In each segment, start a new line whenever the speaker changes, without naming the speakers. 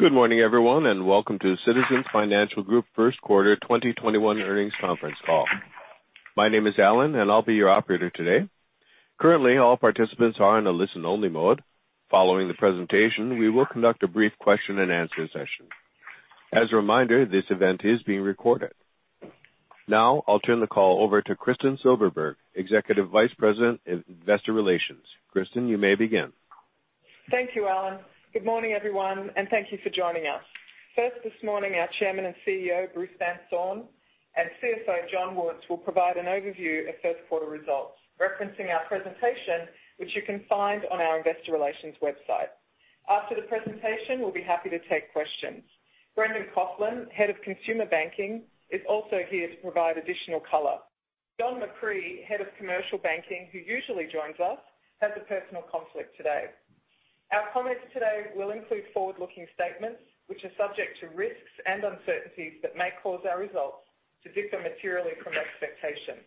Good morning, everyone, and welcome to Citizens Financial Group first quarter 2021 earnings conference call. My name is Alan, and I will be your operator for today's call. At this time, all participants are in a listen-only mode. Later, we will conduct a question-and-answer session and instructions will be given at that time. As a reminder, this conference is being recorded. Now I'll turn the call over to Kristin Silverberg, Executive Vice President, Investor Relations. Kristin, you may begin.
Thank you, Alan. Good morning, everyone, and thank you for joining us. First this morning, our Chairman and CEO, Bruce Van Saun, and CFO, John Woods, will provide an overview of first quarter results, referencing our presentation, which you can find on our investor relations website. After the presentation, we'll be happy to take questions. Brendan Coughlin, Head of Consumer Banking, is also here to provide additional color. Don McCree, Head of Commercial Banking, who usually joins us, has a personal conflict today. Our comments today will include forward-looking statements which are subject to risks and uncertainties that may cause our results to differ materially from expectations.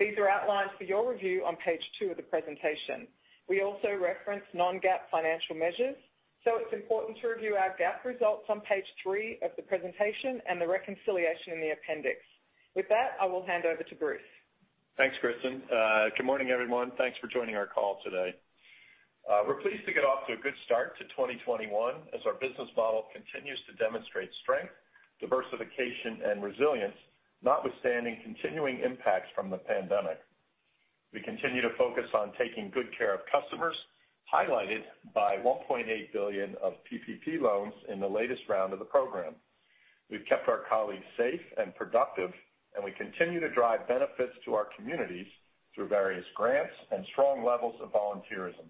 These are outlined for your review on page two of the presentation. We also reference non-GAAP financial measures. It's important to review our GAAP results on page three of the presentation and the reconciliation in the appendix. With that, I will hand over to Bruce.
Thanks, Kristen. Good morning, everyone. Thanks for joining our call today. We're pleased to get off to a good start to 2021 as our business model continues to demonstrate strength, diversification, and resilience, notwithstanding continuing impacts from the pandemic. We continue to focus on taking good care of customers, highlighted by $1.8 billion of PPP loans in the latest round of the program. We've kept our colleagues safe and productive, and we continue to drive benefits to our communities through various grants and strong levels of volunteerism.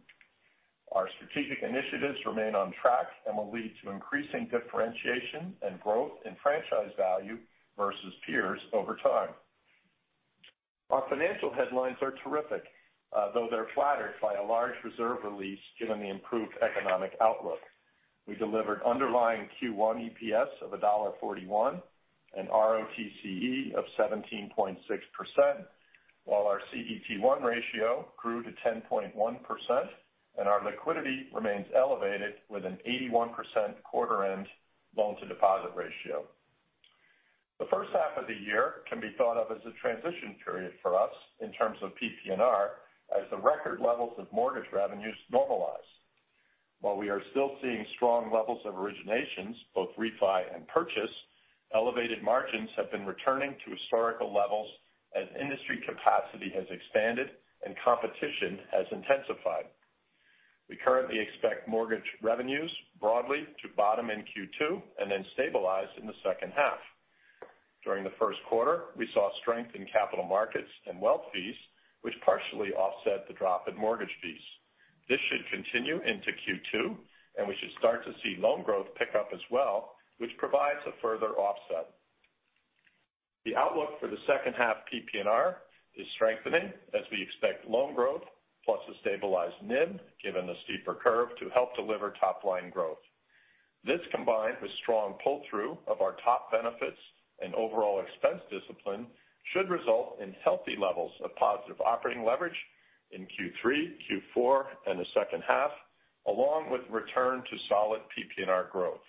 Our strategic initiatives remain on track and will lead to increasing differentiation and growth in franchise value versus peers over time. Our financial headlines are terrific, though they're flattered by a large reserve release given the improved economic outlook. We delivered underlying Q1 EPS of $1.41 and ROTCE of 17.6%, while our CET1 ratio grew to 10.1%, and our liquidity remains elevated with an 81% quarter-end loan-to-deposit ratio. The first half of the year can be thought of as a transition period for us in terms of PPNR as the record levels of mortgage revenues normalize. While we are still seeing strong levels of originations, both refi and purchase, elevated margins have been returning to historical levels as industry capacity has expanded and competition has intensified. We currently expect mortgage revenues broadly to bottom in Q2 and then stabilize in the second half. During the first quarter, we saw strength in capital markets and wealth fees, which partially offset the drop in mortgage fees. This should continue into Q2, and we should start to see loan growth pick up as well, which provides a further offset. The outlook for the second half PPNR is strengthening as we expect loan growth plus a stabilized NIM, given the steeper curve to help deliver top-line growth. This, combined with strong pull-through of our TOP benefits and overall expense discipline, should result in healthy levels of positive operating leverage in Q3, Q4, and the second half, along with return to solid PPNR growth.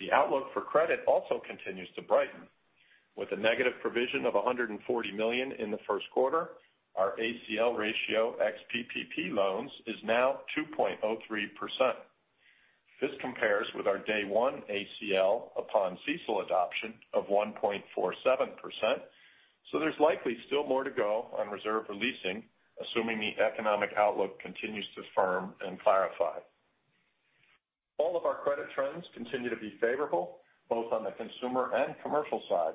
The outlook for credit also continues to brighten. With a negative provision of $140 million in the first quarter, our ACL ratio ex-PPP loans is now 2.03%. This compares with our day one ACL upon CECL adoption of 1.47%. There's likely still more to go on reserve releasing, assuming the economic outlook continues to firm and clarify. All of our credit trends continue to be favorable, both on the consumer and commercial side.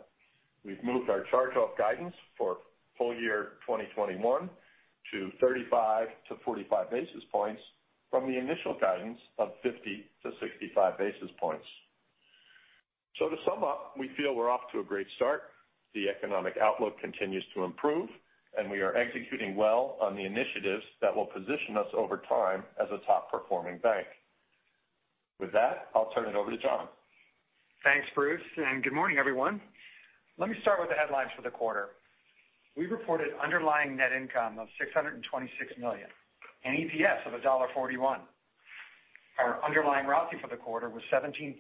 We've moved our charge-off guidance for full year 2021 to 35-45 basis points from the initial guidance of 50-65 basis points. To sum up, we feel we're off to a great start. The economic outlook continues to improve, and we are executing well on the initiatives that will position us over time as a top-performing bank. With that, I'll turn it over to John.
Thanks, Bruce. Good morning, everyone. Let me start with the headlines for the quarter. We reported underlying net income of $626 million, an EPS of $1.41. Our underlying ROTCE for the quarter was 17.6%,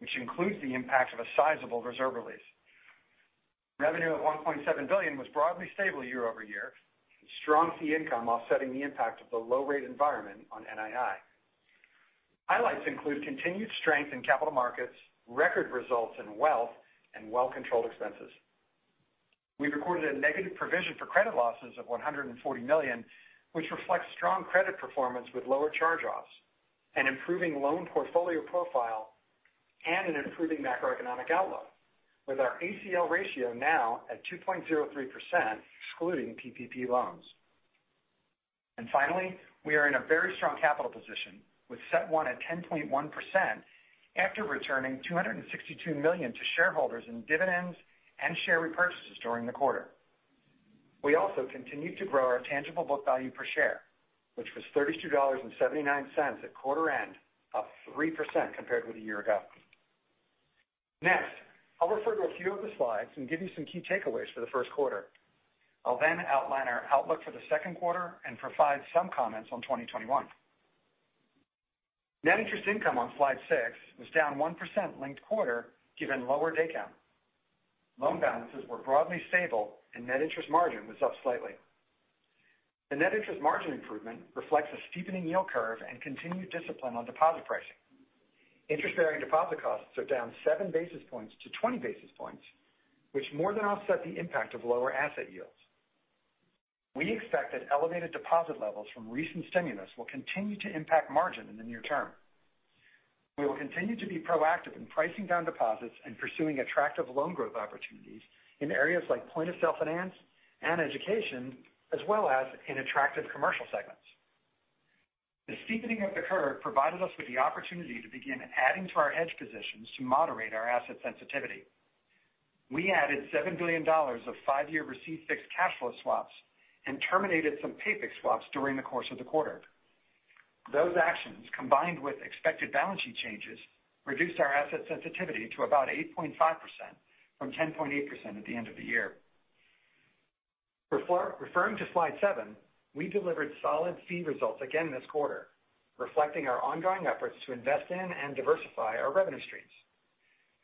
which includes the impact of a sizable reserve release. Revenue of $1.7 billion was broadly stable year-over-year. Strong fee income offsetting the impact of the low rate environment on NII. Highlights include continued strength in capital markets, record results in wealth, well-controlled expenses. We recorded a negative provision for credit losses of $140 million, which reflects strong credit performance with lower charge-offs and improving loan portfolio profile and an improving macroeconomic outlook with our ACL ratio now at 2.03%, excluding PPP loans. Finally, we are in a very strong capital position with CET1 at 10.1% after returning $262 million to shareholders in dividends and share repurchases during the quarter. We also continued to grow our tangible book value per share, which was $32.79 at quarter end, up 3% compared with a year ago. I'll refer to a few of the slides and give you some key takeaways for the first quarter. I'll outline our outlook for the second quarter and provide some comments on 2021. Net interest income on slide six was down 1% linked quarter, given lower day count. Loan balances were broadly stable and net interest margin was up slightly. The net interest margin improvement reflects a steepening yield curve and continued discipline on deposit pricing. Interest-bearing deposit costs are down seven basis points to 20 basis points, which more than offset the impact of lower asset yields. We expect that elevated deposit levels from recent stimulus will continue to impact margin in the near term. We will continue to be proactive in pricing down deposits and pursuing attractive loan growth opportunities in areas like point-of-sale finance and education, as well as in attractive commercial segments. The steepening of the curve provided us with the opportunity to begin adding to our hedge positions to moderate our asset sensitivity. We added $7 billion of five-year receive-fixed cash flow swaps and terminated some pay fix swaps during the course of the quarter. Those actions, combined with expected balance sheet changes, reduced our asset sensitivity to about 8.5% from 10.8% at the end of the year. Referring to slide seven, we delivered solid fee results again this quarter, reflecting our ongoing efforts to invest in and diversify our revenue streams.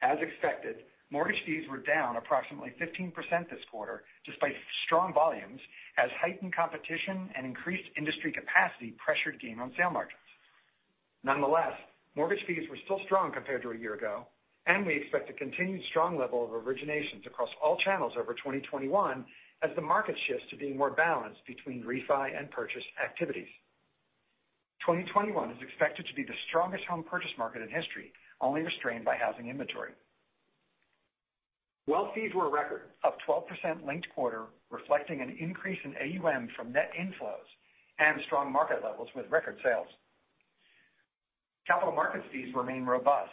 As expected, mortgage fees were down approximately 15% this quarter, despite strong volumes, as heightened competition and increased industry capacity pressured gain on sale margins. Nonetheless, mortgage fees were still strong compared to a year ago, and we expect a continued strong level of originations across all channels over 2021 as the market shifts to being more balanced between refi and purchase activities. 2021 is expected to be the strongest home purchase market in history, only restrained by housing inventory. Wealth fees were a record, up 12% linked quarter, reflecting an increase in AUM from net inflows and strong market levels with record sales. Capital markets fees remain robust,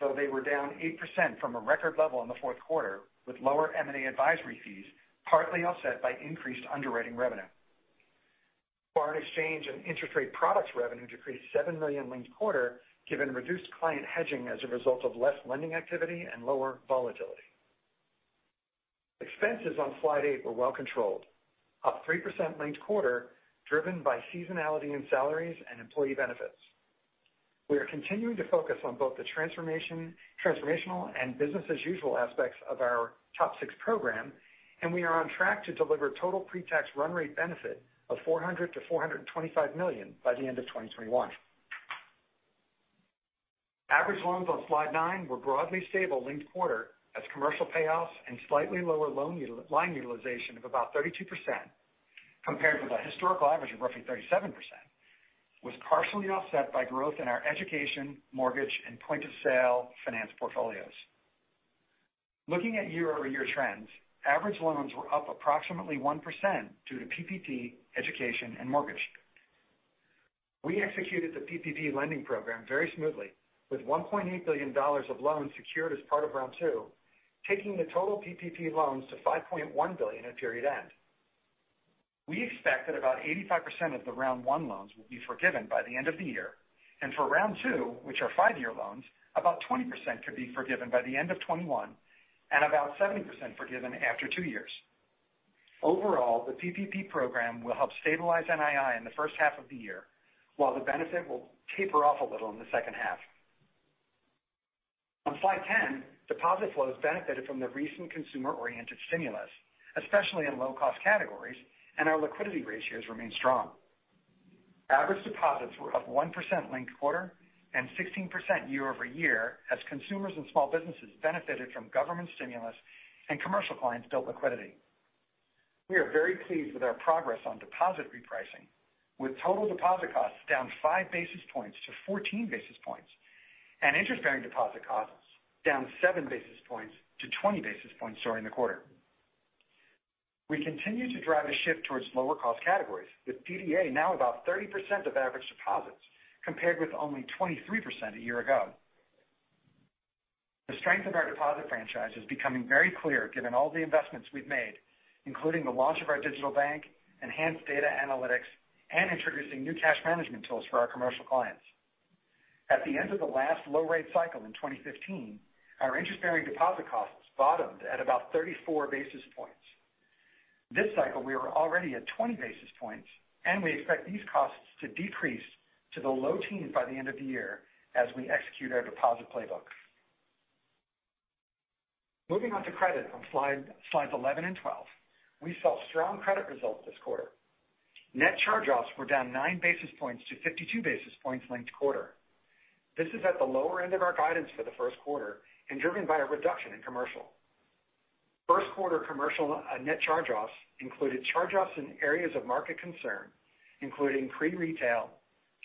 though they were down 8% from a record level in the fourth quarter, with lower M&A advisory fees partly offset by increased underwriting revenue. Foreign exchange and interest rate products revenue decreased $7 million linked quarter given reduced client hedging as a result of less lending activity and lower volatility. Expenses on slide eight were well controlled, up 3% linked quarter, driven by seasonality in salaries and employee benefits. We are continuing to focus on both the transformational and business as usual aspects of our TOP VI program, and we are on track to deliver total pre-tax run rate benefit of $400 million-$425 million by the end of 2021. Average loans on slide nine were broadly stable linked quarter as commercial payoffs and slightly lower loan line utilization of about 32%, compared with a historical average of roughly 37%, was partially offset by growth in our education, mortgage, and point-of-sale finance portfolios. Looking at year-over-year trends, average loans were up approximately 1% due to PPP, education, and mortgage. We executed the PPP lending program very smoothly, with $1.8 billion of loans secured as part of round two, taking the total PPP loans to $5.1 billion at period end. We expect that about 85% of the round one loans will be forgiven by the end of the year, for round two, which are five-year loans, about 20% could be forgiven by the end of 2021 and about 70% forgiven after two years. Overall, the PPP program will help stabilize NII in the first half of the year, while the benefit will taper off a little in the second half. On slide 10, deposit flows benefited from the recent consumer-oriented stimulus, especially in low-cost categories, our liquidity ratios remain strong. Average deposits were up 1% linked-quarter and 16% year-over-year as consumers and small businesses benefited from government stimulus and commercial clients built liquidity. We are very pleased with our progress on deposit repricing, with total deposit costs down five basis points to 14 basis points and interest-bearing deposit costs down seven basis points to 20 basis points during the quarter. We continue to drive a shift towards lower cost categories, with DDA now about 30% of average deposits, compared with only 23% a year ago. The strength of our deposit franchise is becoming very clear given all the investments we've made, including the launch of our digital bank, enhanced data analytics, and introducing new cash management tools for our commercial clients. At the end of the last low rate cycle in 2015, our interest-bearing deposit costs bottomed at about 34 basis points. This cycle, we are already at 20 basis points, and we expect these costs to decrease to the low teens by the end of the year as we execute our deposit playbook. Moving on to credit on slides 11 and 12, we saw strong credit results this quarter. Net charge-offs were down nine basis points to 52 basis points linked quarter. This is at the lower end of our guidance for the first quarter and driven by a reduction in commercial. First quarter commercial net charge-offs included charge-offs in areas of market concern, including CRE retail,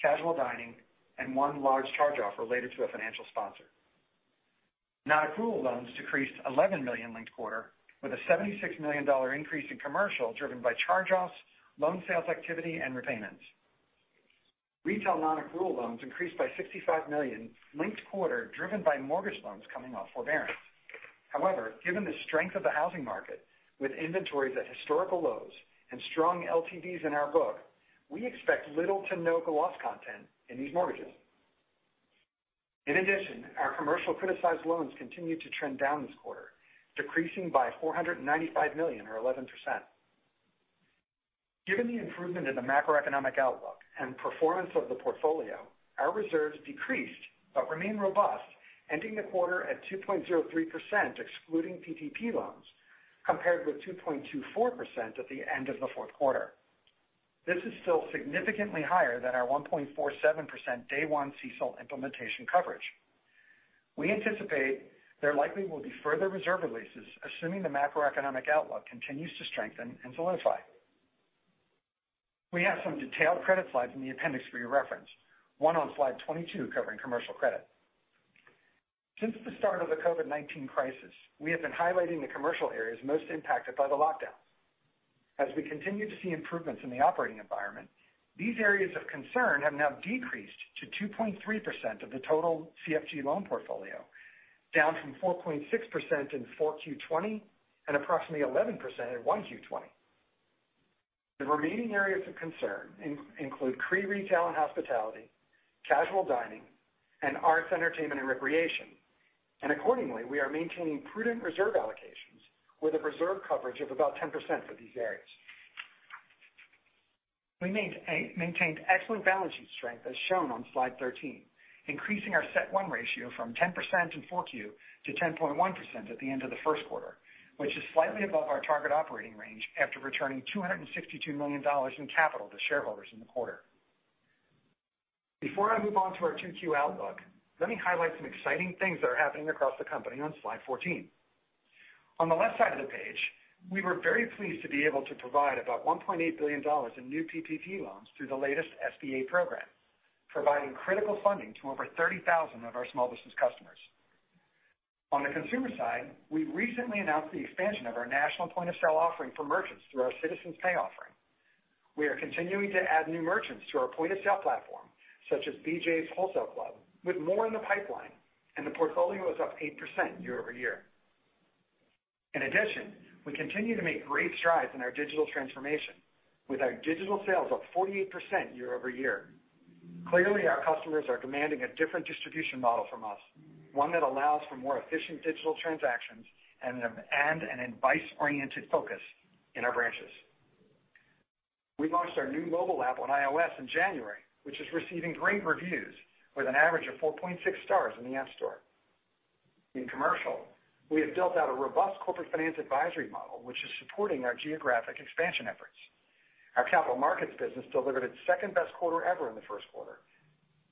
casual dining, and one large charge-off related to a financial sponsor. Non-accrual loans decreased $11 million linked quarter with a $76 million increase in commercial driven by charge-offs, loan sales activity, and repayments. Retail non-accrual loans increased by $65 million linked quarter driven by mortgage loans coming off forbearance. However, given the strength of the housing market with inventories at historical lows and strong LTVs in our book, we expect little to no loss content in these mortgages. In addition, our commercial criticized loans continued to trend down this quarter, decreasing by $495 million or 11%. Given the improvement in the macroeconomic outlook and performance of the portfolio, our reserves decreased but remain robust, ending the quarter at 2.03%, excluding PPP loans, compared with 2.24% at the end of the fourth quarter. This is still significantly higher than our 1.47% day one CECL implementation coverage. We anticipate there likely will be further reserve releases, assuming the macroeconomic outlook continues to strengthen and solidify. We have some detailed credit slides in the appendix for your reference, one on slide 22 covering commercial credit. Since the start of the COVID-19 crisis, we have been highlighting the commercial areas most impacted by the lockdown. As we continue to see improvements in the operating environment, these areas of concern have now decreased to 2.3% of the total CFG loan portfolio, down from 4.6% in 4Q 2020 and approximately 11% in 1Q 2020. The remaining areas of concern include CRE retail and hospitality, casual dining, and arts, entertainment, and recreation, and accordingly, we are maintaining prudent reserve allocations with a reserve coverage of about 10% for these areas. We maintained excellent balance sheet strength, as shown on slide 13, increasing our CET1 ratio from 10% in 4Q to 10.1% at the end of the first quarter, which is slightly above our target operating range after returning $262 million in capital to shareholders in the quarter. Before I move on to our 2Q outlook, let me highlight some exciting things that are happening across the company on slide 14. On the left side of the page, we were very pleased to be able to provide about $1.8 billion in new PPP loans through the latest SBA program, providing critical funding to over 30,000 of our small business customers. On the consumer side, we recently announced the expansion of our national point-of-sale offering for merchants through our Citizens Pay offering. We are continuing to add new merchants to our point-of-sale platform, such as BJ's Wholesale Club, with more in the pipeline, and the portfolio is up 8% year-over-year. We continue to make great strides in our digital transformation with our digital sales up 48% year-over-year. Clearly, our customers are demanding a different distribution model from us, one that allows for more efficient digital transactions and an advice-oriented focus in our branches. We launched our new mobile app on iOS in January, which is receiving great reviews with an average of 4.6 stars in the App Store. In commercial, we have built out a robust corporate finance advisory model, which is supporting our geographic expansion efforts. Our capital markets business delivered its second-best quarter ever in the first quarter,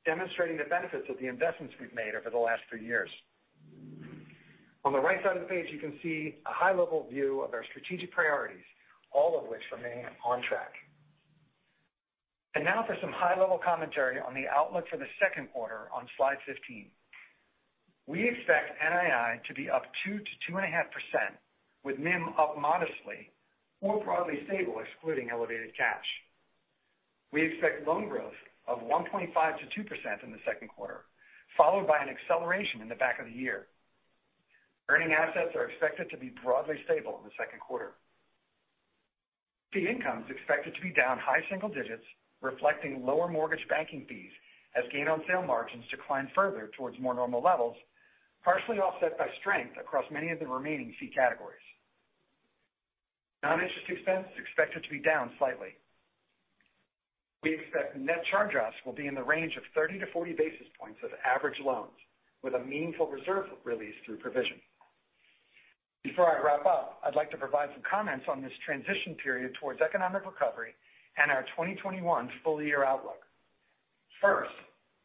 demonstrating the benefits of the investments we've made over the last three years. On the right side of the page, you can see a high-level view of our strategic priorities, all of which remain on track. Now for some high-level commentary on the outlook for the second quarter on slide 15. We expect NII to be up 2%-2.5%, with NIM up modestly or broadly stable, excluding elevated cash. We expect loan growth of 1.5%-2% in the second quarter, followed by an acceleration in the back of the year. Earning assets are expected to be broadly stable in the second quarter. Fee income is expected to be down high single digits, reflecting lower mortgage banking fees as gain-on-sale margins decline further towards more normal levels, partially offset by strength across many of the remaining fee categories. Non-interest expense is expected to be down slightly. We expect net charge-offs will be in the range of 30-40 basis points of average loans with a meaningful reserve release through provision. Before I wrap up, I'd like to provide some comments on this transition period towards economic recovery and our 2021 full-year outlook. First,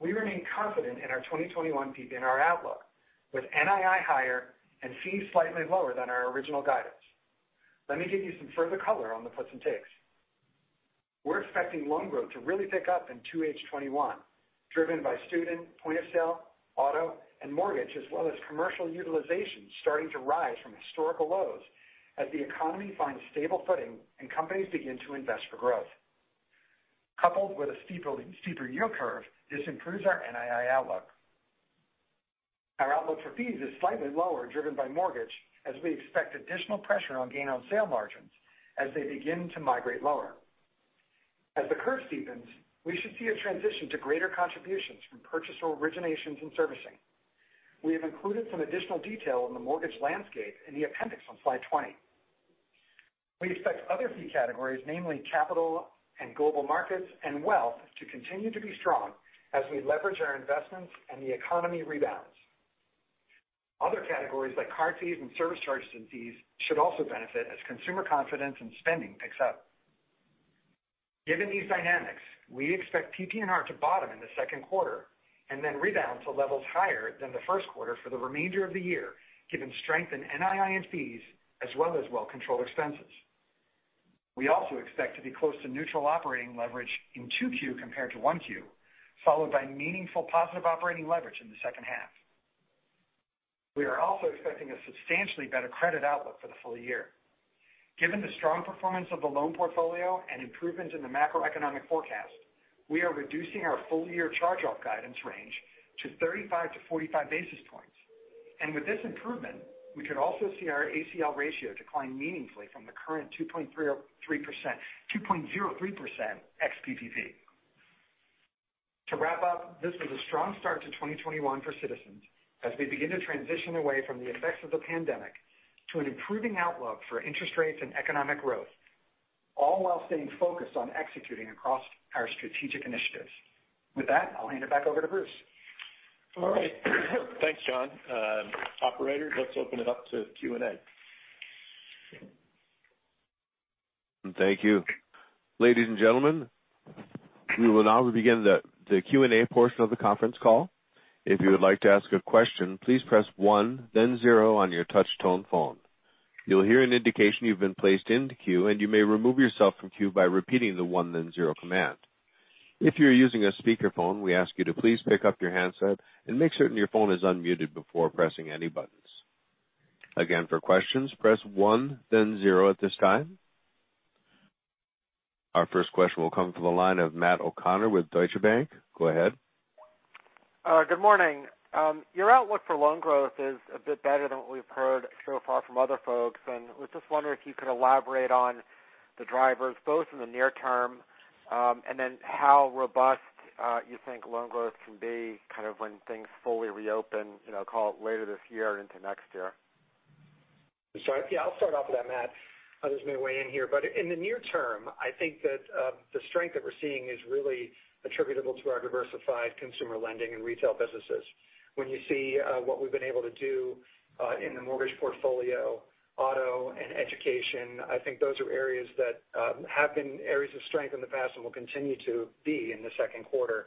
we remain confident in our 2021 PPNR outlook, with NII higher and fees slightly lower than our original guidance. Let me give you some further color on the puts and takes. We're expecting loan growth to really pick up in 2H21, driven by student, point-of-sale, auto, and mortgage, as well as commercial utilization starting to rise from historical lows as the economy finds stable footing and companies begin to invest for growth. Coupled with a steeper yield curve, this improves our NII outlook. Our outlook for fees is slightly lower, driven by mortgage, as we expect additional pressure on gain-on-sale margins as they begin to migrate lower. As the curve steepens, we should see a transition to greater contributions from purchaser originations and servicing. We have included some additional detail on the mortgage landscape in the appendix on slide 20. We expect other fee categories, namely capital and global markets and wealth, to continue to be strong as we leverage our investments and the economy rebounds. Other categories like card fees and service charges and fees should also benefit as consumer confidence and spending picks up. Given these dynamics, we expect PPNR to bottom in the second quarter and then rebound to levels higher than the first quarter for the remainder of the year, given strength in NII and fees, as well as well-controlled expenses. We also expect to be close to neutral operating leverage in 2Q compared to 1Q, followed by meaningful positive operating leverage in the second half. We are also expecting a substantially better credit outlook for the full year. Given the strong performance of the loan portfolio and improvements in the macroeconomic forecast, we are reducing our full-year charge-off guidance range to 35 basis points-45 basis points. With this improvement, we could also see our ACL ratio decline meaningfully from the current 2.03% ex-PPP. To wrap up, this was a strong start to 2021 for Citizens as we begin to transition away from the effects of the pandemic to an improving outlook for interest rates and economic growth, all while staying focused on executing across our strategic initiatives. With that, I'll hand it back over to Bruce.
All right. Thanks, John. Operator, let's open it up to Q&A.
Thank you. Ladies and gentlemen, we will now begin the Q&A portion of the conference call. Our first question will come from the line of Matt O'Connor with Deutsche Bank. Go ahead.
Good morning. Your outlook for loan growth is a bit better than what we've heard so far from other folks, and was just wondering if you could elaborate on the drivers, both in the near term, and then how robust you think loan growth can be when things fully reopen, call it later this year into next year.
Sorry. Yeah, I'll start off with that, Matt. Others may weigh in here. In the near term, I think that the strength that we're seeing is really attributable to our diversified consumer lending and retail businesses. When you see what we've been able to do in the mortgage portfolio, auto, and education, I think those are areas that have been areas of strength in the past and will continue to be in the second quarter.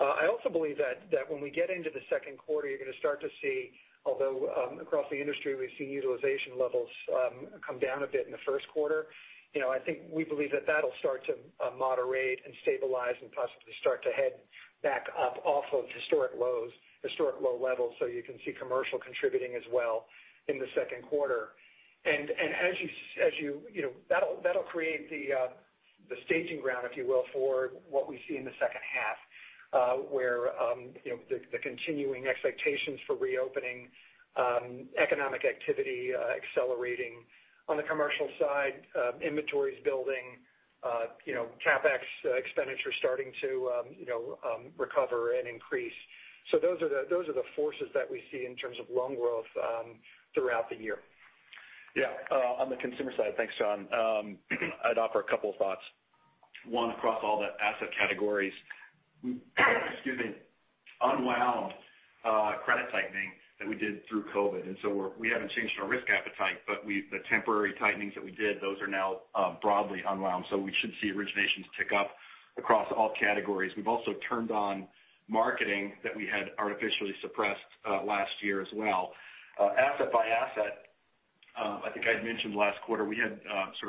I also believe that when we get into the second quarter, you're going to start to see, although across the industry we've seen utilization levels come down a bit in the first quarter, I think we believe that that'll start to moderate and stabilize and possibly start to head back up off of historic low levels. You can see commercial contributing as well in the second quarter. That'll create the staging ground, if you will, for what we see in the second half, where the continuing expectations for reopening economic activity accelerating on the commercial side, inventories building, CapEx expenditure starting to recover and increase. Those are the forces that we see in terms of loan growth throughout the year.
On the consumer side, thanks, John. I'd offer a couple of thoughts. One, across all the asset categories, unwound credit tightening that we did through COVID-19. We haven't changed our risk appetite, but the temporary tightenings that we did, those are now broadly unwound. We should see originations tick up across all categories. We've also turned on marketing that we had artificially suppressed last year as well. Asset by asset, I think I had mentioned last quarter, we had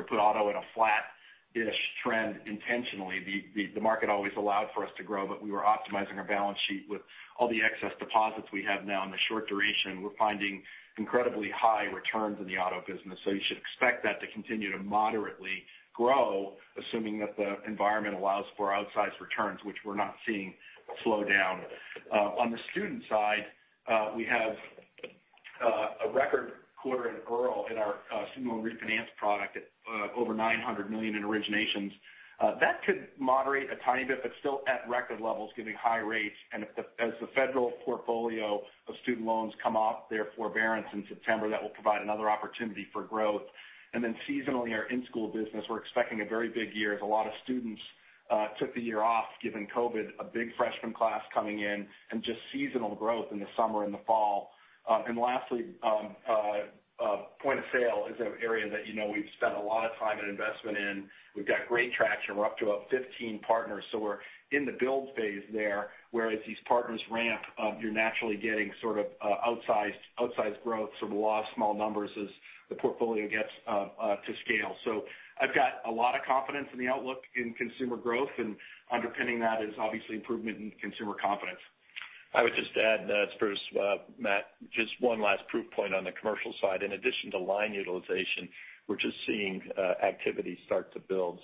put auto at a flat-ish trend intentionally. The market always allowed for us to grow, but we were optimizing our balance sheet with all the excess deposits we have now in the short duration. We're finding incredibly high returns in the auto business. You should expect that to continue to moderately grow, assuming that the environment allows for outsized returns, which we're not seeing slow down. On the student side, we have a record quarter in Earnest in our student loan refinance product at over $900 million in originations. That could moderate a tiny bit, but still at record levels giving high rates. As the federal portfolio of student loans come off their forbearance in September, that will provide another opportunity for growth. Then seasonally, our in-school business, we're expecting a very big year as a lot of students took the year off given COVID, a big freshman class coming in, and just seasonal growth in the summer and the fall. Lastly, point of sale is an area that we've spent a lot of time and investment in. We've got great traction. We're up to about 15 partners. We're in the build phase there, whereas these partners ramp, you're naturally getting outsized growth, law of small numbers as the portfolio gets to scale. I've got a lot of confidence in the outlook in consumer growth, and underpinning that is obviously improvement in consumer confidence.
I would just add, Matt, just one last proof point on the commercial side. In addition to line utilization, we're just seeing activity start to build.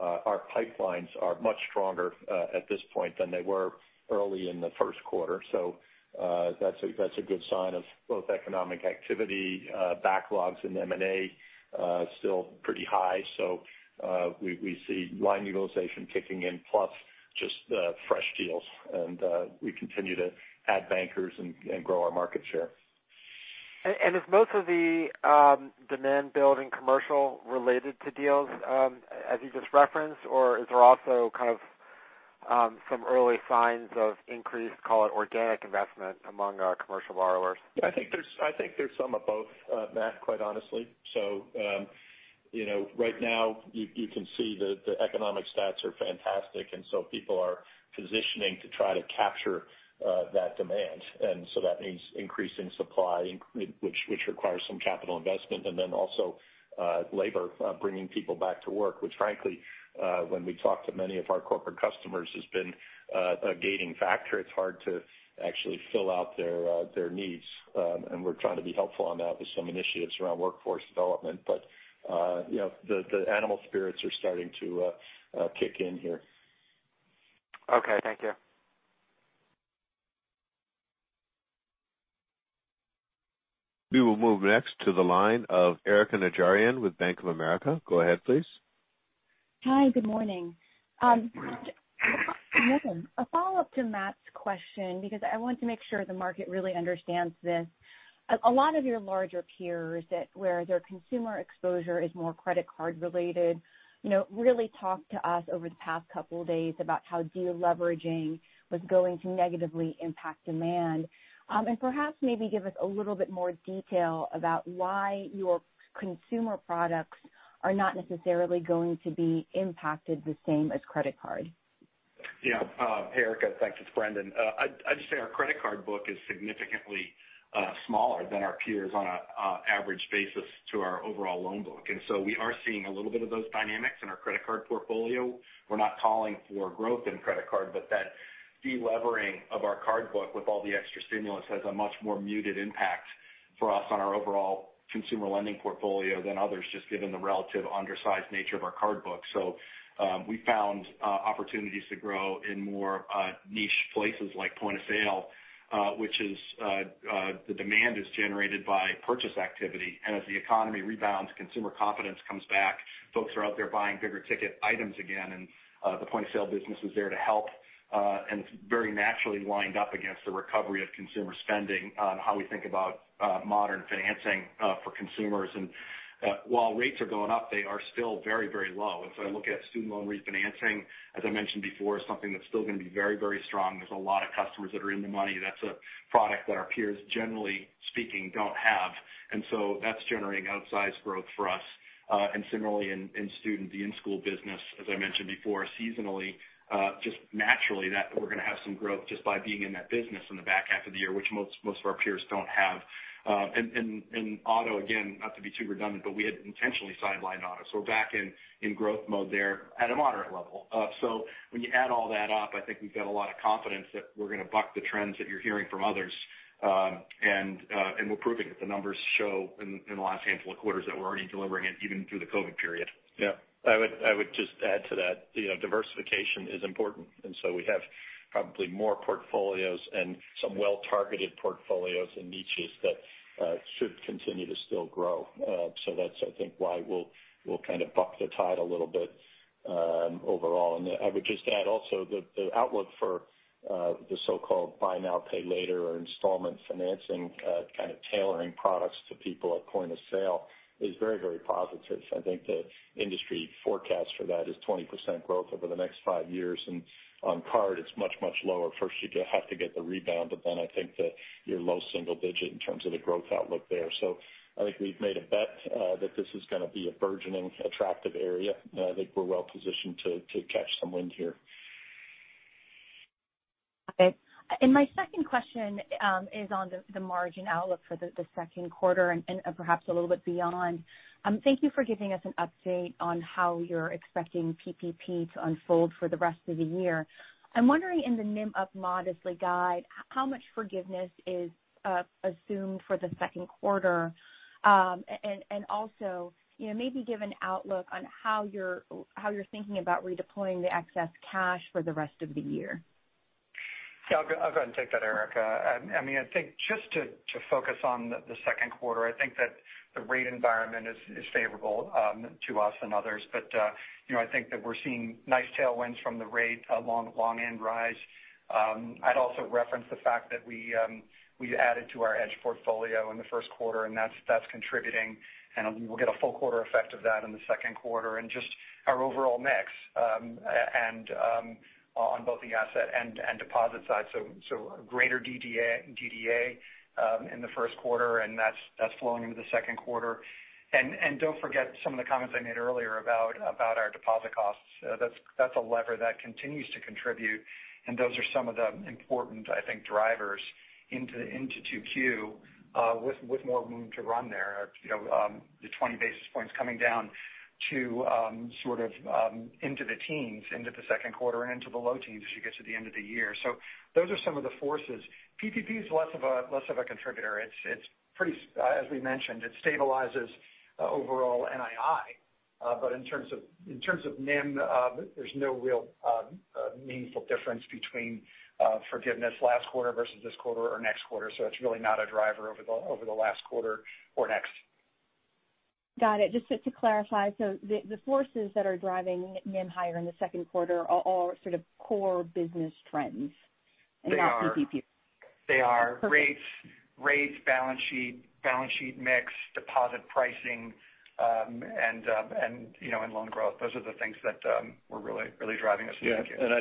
Our pipelines are much stronger at this point than they were early in the first quarter. That's a good sign of both economic activity backlogs in M&A still pretty high. We see line utilization kicking in, plus just the fresh deals. We continue to add bankers and grow our market share.
Is most of the demand building commercial related to deals as you just referenced, or is there also some early signs of increased, call it organic investment among commercial borrowers?
I think there's some of both, Matt, quite honestly. Right now, you can see the economic stats are fantastic, people are positioning to try to capture that demand. That means increasing supply, which requires some capital investment, and then also labor, bringing people back to work, which frankly when we talk to many of our corporate customers, has been a gating factor. It's hard to actually fill out their needs. We're trying to be helpful on that with some initiatives around workforce development. The animal spirits are starting to kick in here.
Okay. Thank you.
We will move next to the line of Erika Najarian with Bank of America. Go ahead, please.
Hi. Good morning.
Good morning.
A follow-up to Matt's question because I want to make sure the market really understands this. A lot of your larger peers where their consumer exposure is more credit card related, really talked to us over the past couple of days about how de-leveraging was going to negatively impact demand. Perhaps maybe give us a little bit more detail about why your consumer products are not necessarily going to be impacted the same as credit card.
Yeah. Erika, thanks. It's Brendan. I'd just say our credit card book is significantly smaller than our peers on an average basis to our overall loan book. We are seeing a little bit of those dynamics in our credit card portfolio. We're not calling for growth in credit card, but that de-levering of our card book with all the extra stimulus has a much more muted impact for us on our overall consumer lending portfolio than others, just given the relative undersized nature of our card book. We found opportunities to grow in more niche places like point-of-sale which is the demand is generated by purchase activity. As the economy rebounds, consumer confidence comes back. Folks are out there buying bigger ticket items again, and the point-of-sale business is there to help. It's very naturally lined up against the recovery of consumer spending on how we think about modern financing for consumers. While rates are going up, they are still very low. I look at student loan refinancing, as I mentioned before, is something that's still going to be very strong. There's a lot of customers that are in the money. That's a product that our peers, generally speaking, don't have. That's generating outsized growth for us. Similarly in student, the in-school business, as I mentioned before, seasonally just naturally that we're going to have some growth just by being in that business in the back half of the year, which most of our peers don't have. In auto, again, not to be too redundant, but we had intentionally sidelined auto. We're back in growth mode there at a moderate level. When you add all that up, I think we've got a lot of confidence that we're going to buck the trends that you're hearing from others. We're proving it. The numbers show in the last handful of quarters that we're already delivering it, even through the COVID period.
Yeah, I would just add to that diversification is important. We have probably more portfolios and some well-targeted portfolios and niches that should continue to still grow. That's I think why we'll kind of buck the tide a little bit overall. I would just add also the outlook for the so-called buy now, pay later or installment financing kind of tailoring products to people at point of sale is very positive. I think the industry forecast for that is 20% growth over the next five years. On card, it's much lower. First, you have to get the rebound, I think that you're low single digit in terms of the growth outlook there. I think we've made a bet that this is going to be a burgeoning attractive area, and I think we're well-positioned to catch some wind here.
Okay. My second question is on the margin outlook for the second quarter and perhaps a little bit beyond. Thank you for giving us an update on how you're expecting PPP to unfold for the rest of the year. I'm wondering in the NIM up modestly guide, how much forgiveness is assumed for the second quarter? Also maybe give an outlook on how you're thinking about redeploying the excess cash for the rest of the year.
Yeah, I'll go ahead and take that, Erika. I think just to focus on the second quarter, I think that the rate environment is favorable to us and others. I think that we're seeing nice tailwinds from the rate along the long-end rise. I'd also reference the fact that we added to our Earnest portfolio in the first quarter, and that's contributing, and we'll get a full quarter effect of that in the second quarter and just our overall mix on both the asset and deposit side. Greater DDA in the first quarter, and that's flowing into the second quarter. Don't forget some of the comments I made earlier about our deposit costs. That's a lever that continues to contribute, and those are some of the important, I think, drivers into 2Q with more room to run there. The 20 basis points coming down into the teens, into the second quarter and into the low teens as you get to the end of the year. Those are some of the forces. PPP is less of a contributor. As we mentioned, it stabilizes overall NII. In terms of NIM, there's no real meaningful difference between forgiveness last quarter versus this quarter or next quarter. It's really not a driver over the last quarter or next.
Got it. Just to clarify, the forces that are driving NIM higher in the second quarter are all sort of core business trends.
They are
Not PPP.
They are rates, balance sheet mix, deposit pricing and loan growth. Those are the things that were really driving us.
Yeah.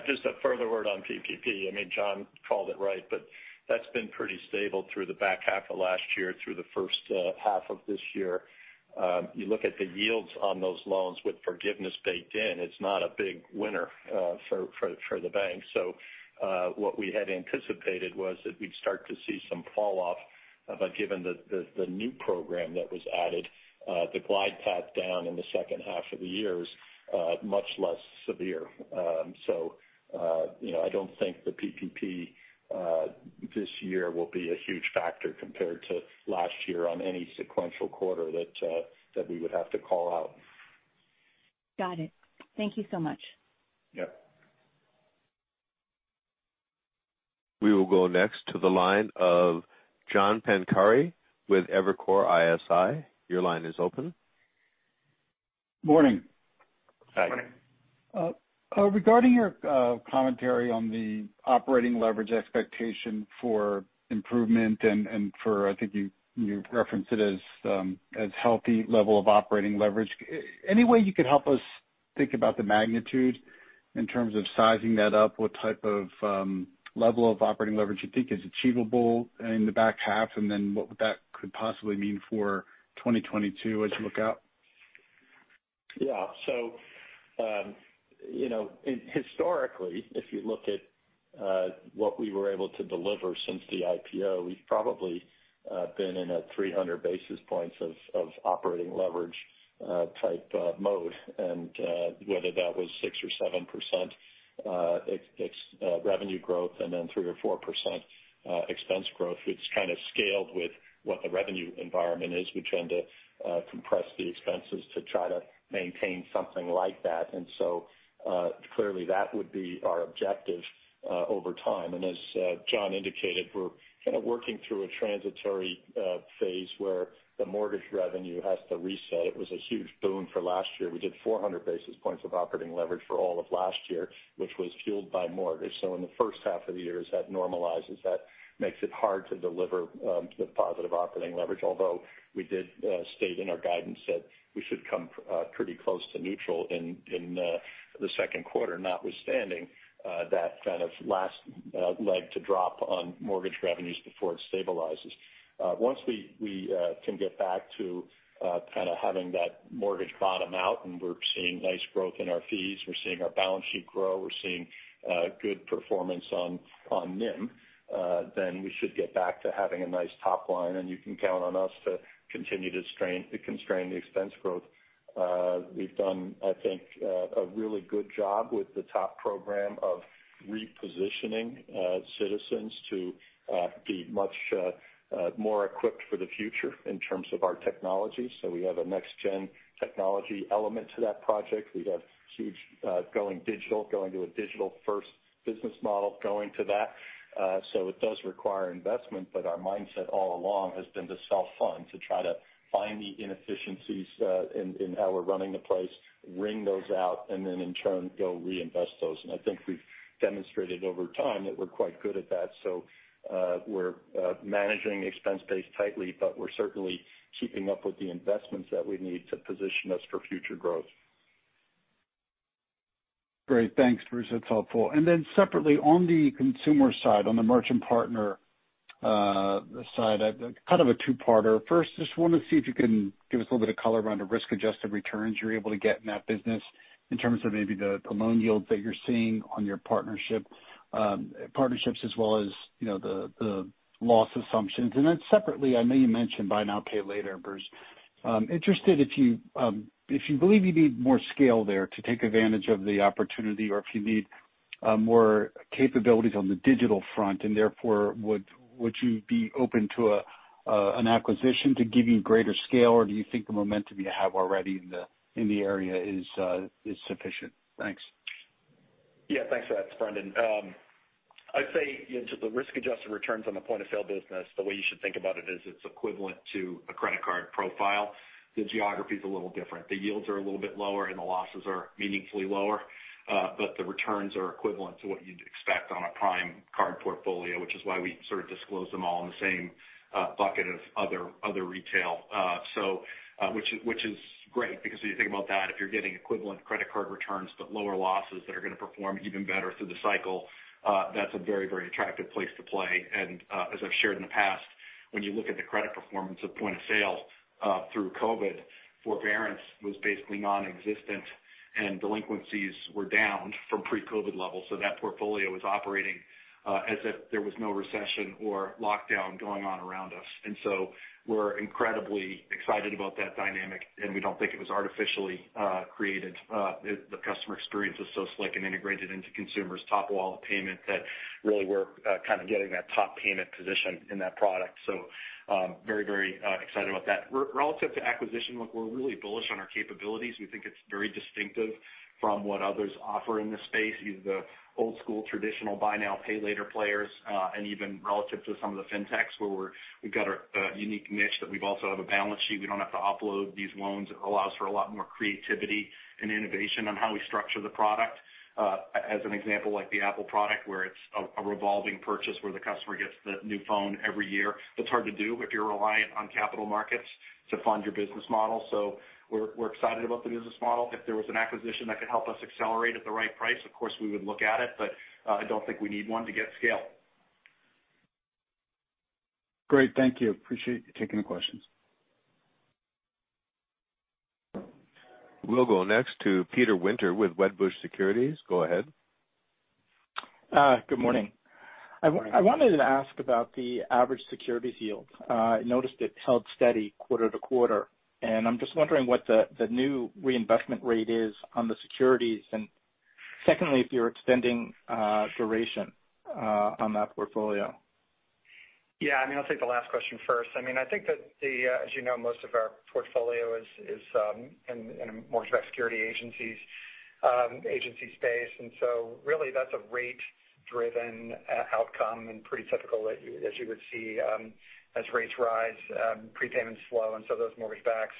Just a further word on PPP. John called it right, that's been pretty stable through the back half of last year through the first half of this year. You look at the yields on those loans with forgiveness baked in, it's not a big winner for the bank. What we had anticipated was that we'd start to see some fall off. Given the new program that was added, the glide path down in the second half of the year is much less severe. I don't think the PPP dynamic this year will be a huge factor compared to last year on any sequential quarter that we would have to call out.
Got it. Thank you so much.
Yep.
We will go next to the line of John Pancari with Evercore ISI. Your line is open.
Morning.
Hi.
Morning.
Regarding your commentary on the operating leverage expectation for improvement and for, I think you referenced it as healthy level of operating leverage. Any way you could help us think about the magnitude in terms of sizing that up, what type of level of operating leverage you think is achievable in the back half, and then what would that could possibly mean for 2022 as you look out?
Yeah. Historically, if you look at what we were able to deliver since the IPO, we've probably been in a 300 basis points of operating leverage type mode. Whether that was 6% or 7% revenue growth and then 3% or 4% expense growth, it's kind of scaled with what the revenue environment is. We tend to compress the expenses to try to maintain something like that. Clearly that would be our objective over time. As John Woods indicated, we're kind of working through a transitory phase where the mortgage revenue has to reset. It was a huge boon for last year. We did 400 basis points of operating leverage for all of last year, which was fueled by mortgage. In the first half of the year, as that normalizes, that makes it hard to deliver the positive operating leverage. We did state in our guidance that we should come pretty close to neutral in the second quarter, notwithstanding that kind of last leg to drop on mortgage revenues before it stabilizes. We can get back to kind of having that mortgage bottom out and we're seeing nice growth in our fees, we're seeing our balance sheet grow, we're seeing good performance on NIM. We should get back to having a nice top line, and you can count on us to continue to constrain the expense growth. We've done, I think, a really good job with the TOP program of repositioning Citizens to be much more equipped for the future in terms of our technology. We have a next-gen technology element to that project. We have huge going digital, going to a digital-first business model, going to that. It does require investment, but our mindset all along has been to self-fund, to try to find the inefficiencies in how we're running the place, wring those out, and then in turn, go reinvest those. I think we've demonstrated over time that we're quite good at that. We're managing the expense base tightly, but we're certainly keeping up with the investments that we need to position us for future growth.
Great. Thanks, Bruce. That's helpful. Then separately, on the consumer side, on the merchant partner side, I've kind of a two-parter. First, just want to see if you can give us a little bit of color around the risk-adjusted returns you're able to get in that business in terms of maybe the loan yields that you're seeing on your partnerships as well as the loss assumptions. Then separately, I know you mentioned buy now, pay later, Bruce. Interested if you believe you need more scale there to take advantage of the opportunity, or if you need more capabilities on the digital front, and therefore would you be open to an acquisition to give you greater scale, or do you think the momentum you have already in the area is sufficient? Thanks.
Yeah. Thanks for that, it's Brendan. I'd say just the risk-adjusted returns on the point-of-sale business, the way you should think about it is it's equivalent to a credit card profile. The geography's a little different. The yields are a little bit lower, and the losses are meaningfully lower. The returns are equivalent to what you'd expect on a prime card portfolio, which is why we sort of disclose them all in the same bucket of other retail. Which is great because if you think about that, if you're getting equivalent credit card returns but lower losses that are going to perform even better through the cycle, that's a very attractive place to play. As I've shared in the past, when you look at the credit performance of point-of-sale through COVID-19, forbearance was basically nonexistent, and delinquencies were down from pre-COVID-19 levels. That portfolio was operating as if there was no recession or lockdown going on around us. We're incredibly excited about that dynamic, and we don't think it was artificially created. The customer experience was so slick and integrated into consumers' top wallet payment that really we're kind of getting that top payment position in that product. Very excited about that. Relative to acquisition, look, we're really bullish on our capabilities. We think it's very distinctive from what others offer in this space, either the old school traditional buy now, pay later players, and even relative to some of the fintechs where we've got a unique niche that we've also have a balance sheet. We don't have to upload these loans. It allows for a lot more creativity and innovation on how we structure the product. As an example, like the Apple product where it's a revolving purchase where the customer gets the new phone every year. That's hard to do if you're reliant on capital markets to fund your business model. We're excited about the business model. If there was an acquisition that could help us accelerate at the right price, of course we would look at it, but I don't think we need one to get scale.
Great. Thank you. Appreciate you taking the questions.
We'll go next to Peter Winter with Wedbush Securities. Go ahead.
Good morning.
Morning.
I wanted to ask about the average securities yield. I noticed it held steady quarter to quarter. I'm just wondering what the new reinvestment rate is on the securities. Secondly, if you're extending duration on that portfolio.
Yeah. I'll take the last question first. I think that, as you know, most of our portfolio is in a mortgage-backed security agencies space. Really that's a rate-driven outcome and pretty typical as you would see as rates rise, prepayments slow, and so those mortgage backs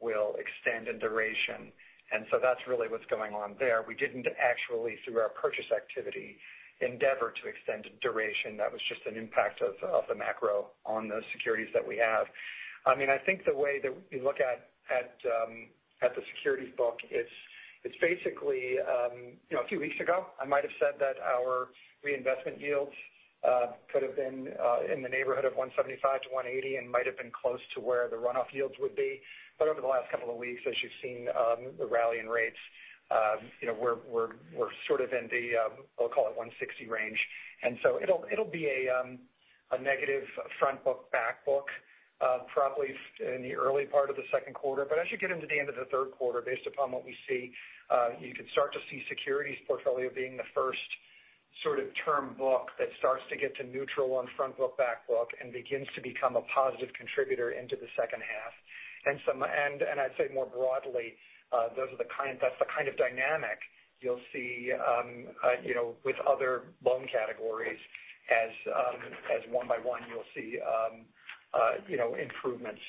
will extend in duration. That's really what's going on there. We didn't actually, through our purchase activity, endeavor to extend duration. That was just an impact of the macro on the securities that we have. I think the way that we look at the securities book, it's basically a few weeks ago, I might've said that our reinvestment yields could've been in the neighborhood of 175-180 and might've been close to where the runoff yields would be. Over the last couple of weeks, as you've seen the rally in rates, we're sort of in the, we'll call it 160 range. It'll be a negative front book, back book probably in the early part of the second quarter. As you get into the end of the third quarter, based upon what we see, you could start to see securities portfolio being the first sort of term book that starts to get to neutral on front book, back book and begins to become a positive contributor into the second half. I'd say more broadly, that's the kind of dynamic you'll see with other loan categories as one by one you'll see improvements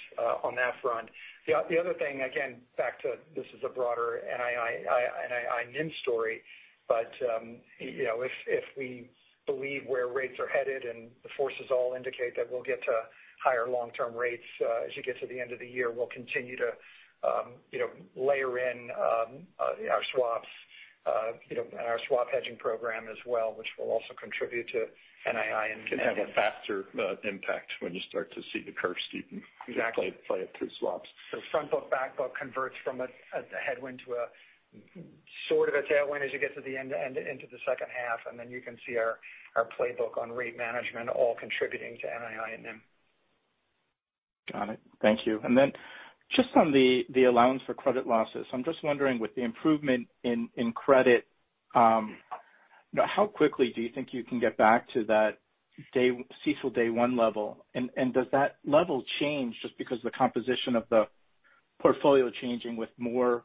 on that front. The other thing, again, back to this is a broader NII NIM story. If we believe where rates are headed and the forces all indicate that we'll get to higher long-term rates as you get to the end of the year, we'll continue to layer in our swaps and our swap hedging program as well, which will also contribute to NII and NIM.
Can have a faster impact when you start to see the curve steepened.
Exactly.
Play it through swaps.
Front book, back book converts from a headwind to a sort of a tailwind as you get to the end into the second half. You can see our playbook on rate management all contributing to NII NIM.
Got it. Thank you. Just on the allowance for credit losses, I'm just wondering with the improvement in credit, how quickly do you think you can get back to that CECL day one level? Does that level change just because of the composition of the portfolio changing with more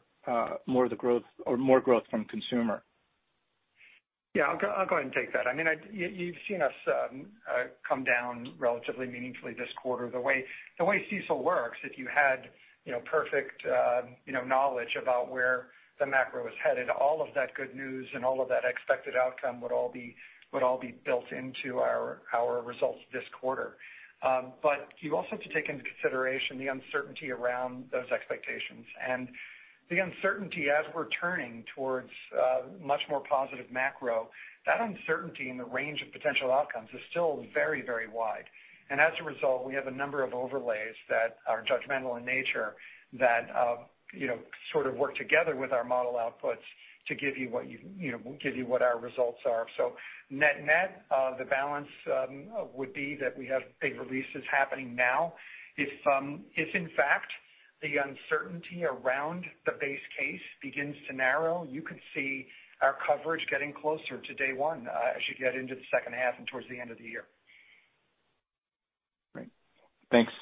growth from consumer?
Yeah, I'll go ahead and take that. You've seen us come down relatively meaningfully this quarter. The way CECL works, if you had perfect knowledge about where the macro is headed, all of that good news and all of that expected outcome would all be built into our results this quarter. You also have to take into consideration the uncertainty around those expectations. The uncertainty as we're turning towards a much more positive macro, that uncertainty and the range of potential outcomes is still very wide. As a result, we have a number of overlays that are judgmental in nature that sort of work together with our model outputs to give you what our results are. Net net, the balance would be that we have big releases happening now. If in fact, the uncertainty around the base case begins to narrow, you could see our coverage getting closer to day one as you get into the second half and towards the end of the year.
Great. Thanks.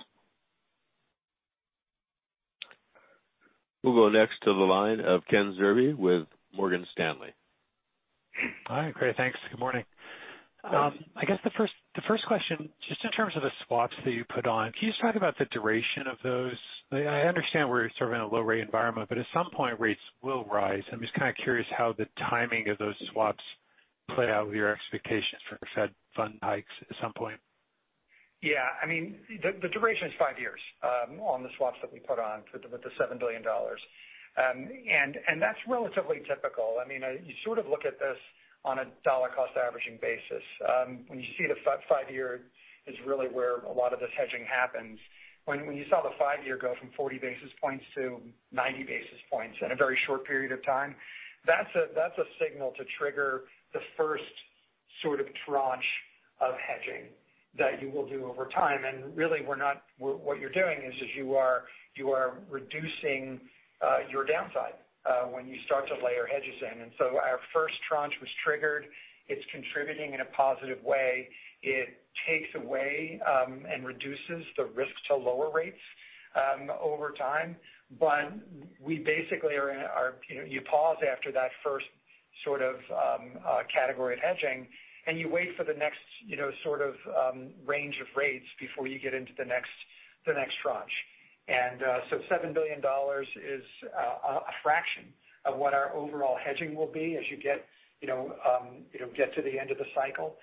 We'll go next to the line of Ken Zerbe with Morgan Stanley.
Hi. Great, thanks. Good morning. I guess the first question, just in terms of the swaps that you put on, can you just talk about the duration of those? I understand we're sort of in a low rate environment, at some point, rates will rise. I'm just kind of curious how the timing of those swaps play out with your expectations for Fed fund hikes at some point.
Yeah. The duration is five years on the swaps that we put on with the $7 billion. That's relatively typical. You sort of look at this on a dollar cost averaging basis. When you see the five-year is really where a lot of this hedging happens. When you saw the five-year go from 40 basis points to 90 basis points in a very short period of time, that's a signal to trigger the first sort of tranche of hedging that you will do over time. Really what you're doing is you are reducing your downside when you start to layer hedges in. So our first tranche was triggered. It's contributing in a positive way. It takes away and reduces the risk to lower rates over time. You pause after that first sort of category of hedging, you wait for the next sort of range of rates before you get into the next tranche. $7 billion is a fraction of what our overall hedging will be as you get to the end of the cycle.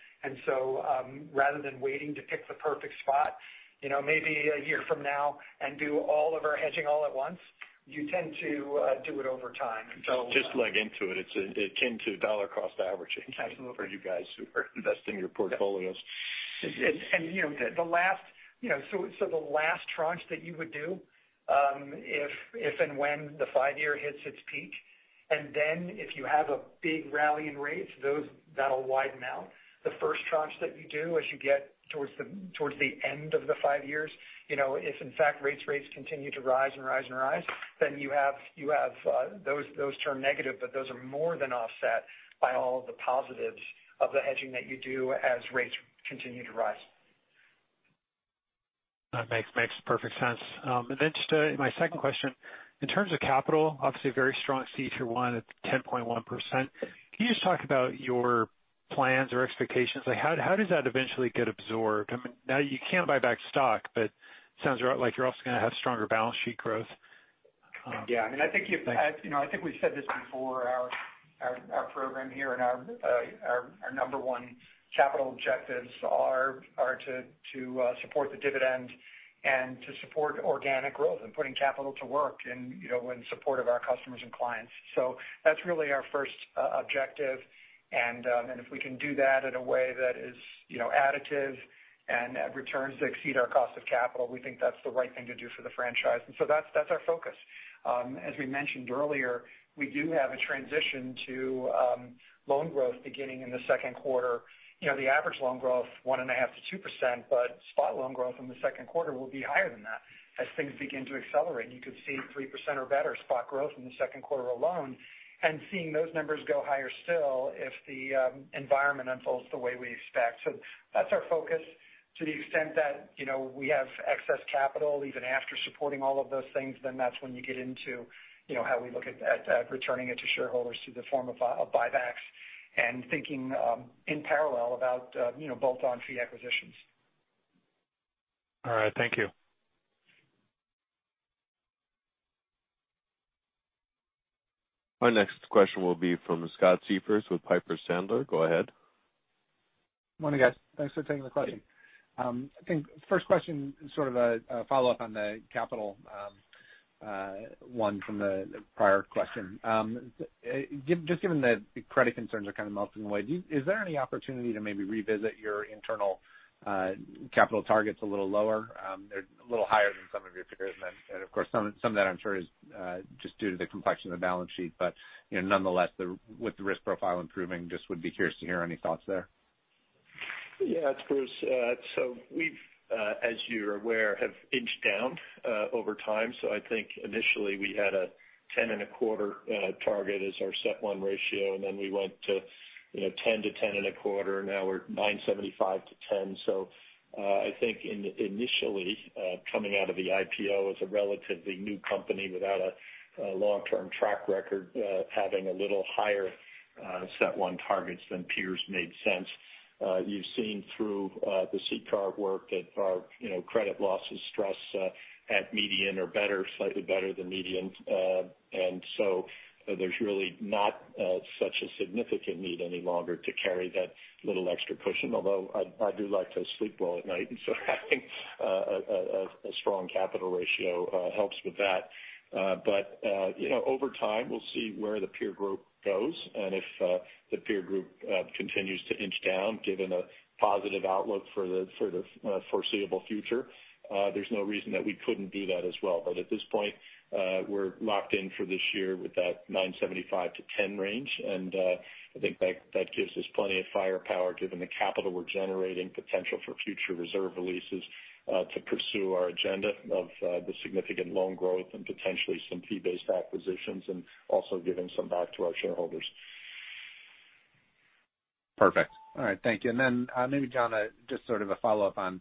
Rather than waiting to pick the perfect spot maybe a year from now and do all of our hedging all at once, you tend to do it over time.
Just leg into it. It's akin to dollar cost averaging. Absolutely for you guys who are investing your portfolios.
The last tranche that you would do if and when the five-year hits its peak, and then if you have a big rally in rates, that'll widen out. The first tranche that you do as you get towards the end of the five years, if in fact rates continue to rise and rise, then those turn negative, but those are more than offset by all of the positives of the hedging that you do as rates continue to rise.
That makes perfect sense. Just my second question, in terms of capital, obviously a very strong CET1 at 10.1%. Can you just talk about your plans or expectations? How does that eventually get absorbed? I mean, now you can't buy back stock, but it sounds like you're also going to have stronger balance sheet growth. Yeah. I think we've said this before, our program here and our number one capital objectives are to support the dividend and to support organic growth and putting capital to work in support of our customers and clients. That's really our first objective. If we can do that in a way that is additive and returns exceed our cost of capital, we think that's the right thing to do for the franchise. That's our focus. As we mentioned earlier, we do have a transition to loan growth beginning in the second quarter. The average loan growth 1.5%-2%, spot loan growth in the second quarter will be higher than that as things begin to accelerate. You could see 3% or better spot growth in the second quarter alone. Seeing those numbers go higher still if the environment unfolds the way we expect. That's our focus to the extent that we have excess capital even after supporting all of those things, then that's when you get into how we look at returning it to shareholders through the form of buybacks and thinking in parallel about bolt-on fee acquisitions. All right. Thank you.
Our next question will be from Scott Siefers with Piper Sandler. Go ahead.
Morning, guys. Thanks for taking the question. I think first question is sort of a follow-up on the capital one from the prior question. Just given the credit concerns are kind of melting away, is there any opportunity to maybe revisit your internal capital targets a little lower? They're a little higher than some of your peers and of course, some of that I'm sure is just due to the complexion of the balance sheet. Nonetheless, with the risk profile improving, just would be curious to hear any thoughts there.
Yeah. We've, as you're aware, have inched down over time. I think initially we had a 10.25% target as our CET1 ratio, and then we went to 10%-10.25%. Now we're 9.75%-10%. I think initially coming out of the IPO as a relatively new company without a long-term track record having a little higher CET1 targets than peers made sense. You've seen through the CCAR work that our credit losses stress at median are better, slightly better than median. There's really not such a significant need any longer to carry that little extra cushion. I do like to sleep well at night, and so having a strong capital ratio helps with that. Over time, we'll see where the peer group goes, and if the peer group continues to inch down, given a positive outlook for the foreseeable future, there's no reason that we couldn't do that as well. At this point, we're locked in for this year with that 9.75%-10% range. I think that gives us plenty of firepower given the capital we're generating potential for future reserve releases to pursue our agenda of the significant loan growth and potentially some fee-based acquisitions and also giving some back to our shareholders.
Perfect. All right. Thank you. Then maybe John, just sort of a follow-up on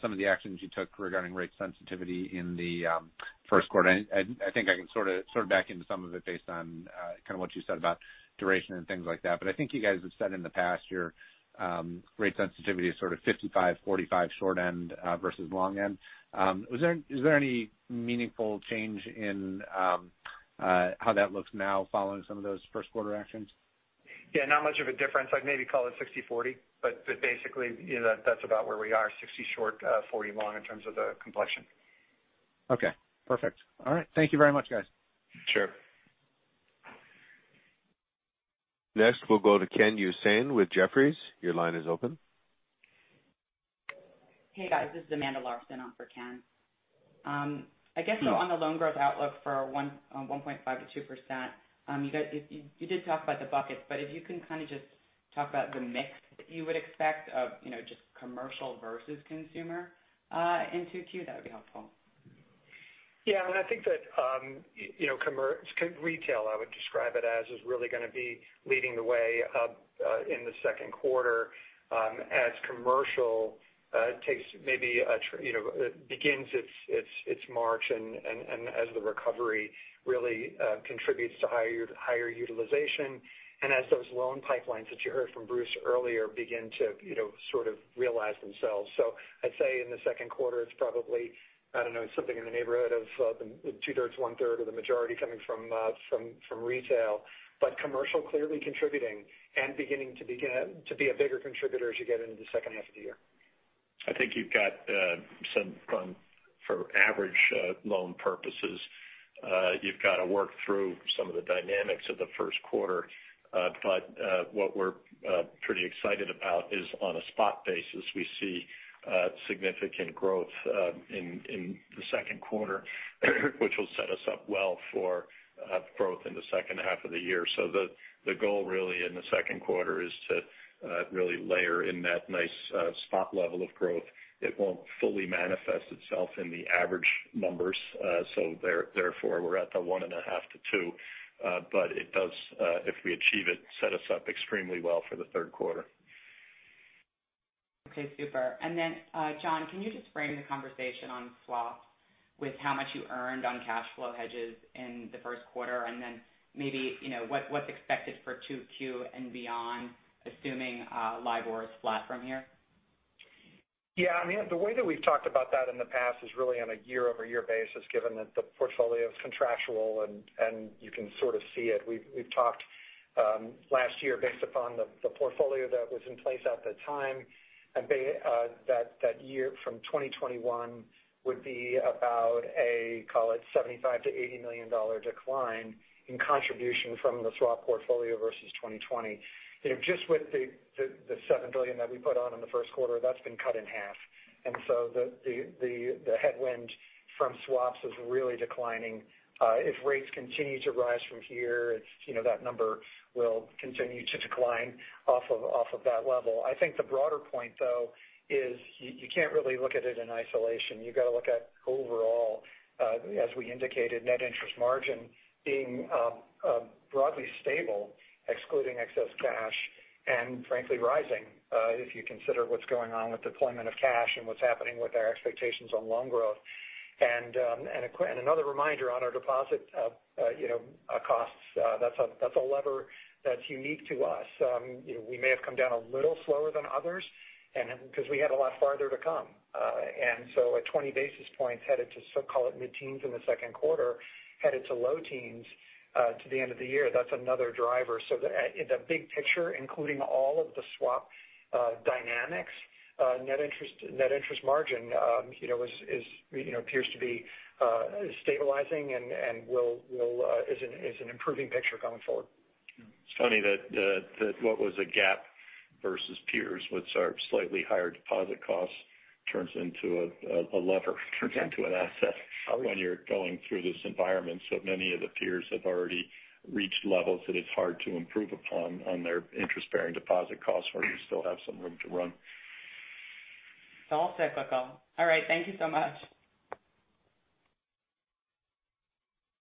some of the actions you took regarding rate sensitivity in the first quarter. I think I can sort back into some of it based on kind of what you said about duration and things like that. But I think you guys have said in the past your rate sensitivity is sort of 55/45 short end versus long end. Is there any meaningful change in how that looks now following some of those first quarter actions?
Yeah, not much of a difference. I'd maybe call it 60/40, but basically that's about where we are, 60 short, 40 long in terms of the complexion.
Okay. Perfect. All right. Thank you very much, guys.
Sure. Next, we'll go to Ken Usdin with Jefferies. Your line is open.
Hey guys, this is Amanda Larsen on for Ken. I guess so on the loan growth outlook for 1.5%-2%, you did talk about the buckets. If you can kind of just talk about the mix that you would expect of just commercial versus consumer in 2Q, that would be helpful.
I think that retail, I would describe it as, is really going to be leading the way in the second quarter as commercial begins its march and as the recovery really contributes to higher utilization and as those loan pipelines that you heard from Bruce earlier begin to sort of realize themselves. I'd say in the second quarter, it's probably, I don't know, something in the neighborhood of two-thirds, one-third or the majority coming from retail. Commercial clearly contributing and beginning to be a bigger contributor as you get into the second half of the year. You've got some for average loan purposes. You've got to work through some of the dynamics of the first quarter. What we're pretty excited about is on a spot basis, we see significant growth in the second quarter, which will set us up well for growth in the second half of the year. The goal really in the second quarter is to really layer in that nice spot level of growth. It won't fully manifest itself in the average numbers. Therefore we're at the 1.5 to 2. It does, if we achieve it, set us up extremely well for the third quarter.
Okay, super. John, can you just frame the conversation on swaps with how much you earned on cash flow hedges in the first quarter, and then maybe what's expected for 2Q and beyond, assuming LIBOR is flat from here?
Yeah. I mean, the way that we've talked about that in the past is really on a year-over-year basis, given that the portfolio is contractual and you can sort of see it. We've talked last year based upon the portfolio that was in place at the time. That year from 2021 would be about a, call it $75 million-$80 million decline in contribution from the swap portfolio versus 2020. Just with the $7 billion that we put on in the first quarter, that's been cut in half. The headwind from swaps is really declining. If rates continue to rise from here, that number will continue to decline off of that level. I think the broader point, though, is you can't really look at it in isolation. You've got to look at overall, as we indicated, net interest margin being broadly stable, excluding excess cash, and frankly, rising if you consider what's going on with deployment of cash and what's happening with our expectations on loan growth. Another reminder on our deposit costs. That's a lever that's unique to us. We may have come down a little slower than others because we had a lot farther to come. At 20 basis points headed to so-called mid-teens in the second quarter, headed to low teens to the end of the year, that's another driver. In the big picture, including all of the swap dynamics, net interest margin appears to be stabilizing and is an improving picture going forward.
It's funny that what was a gap versus peers with our slightly higher deposit costs turns into a lever, turns into an asset when you're going through this environment. Many of the peers have already reached levels that it's hard to improve upon on their interest-bearing deposit costs where you still have some room to run.
It's all cyclical. All right. Thank you so much.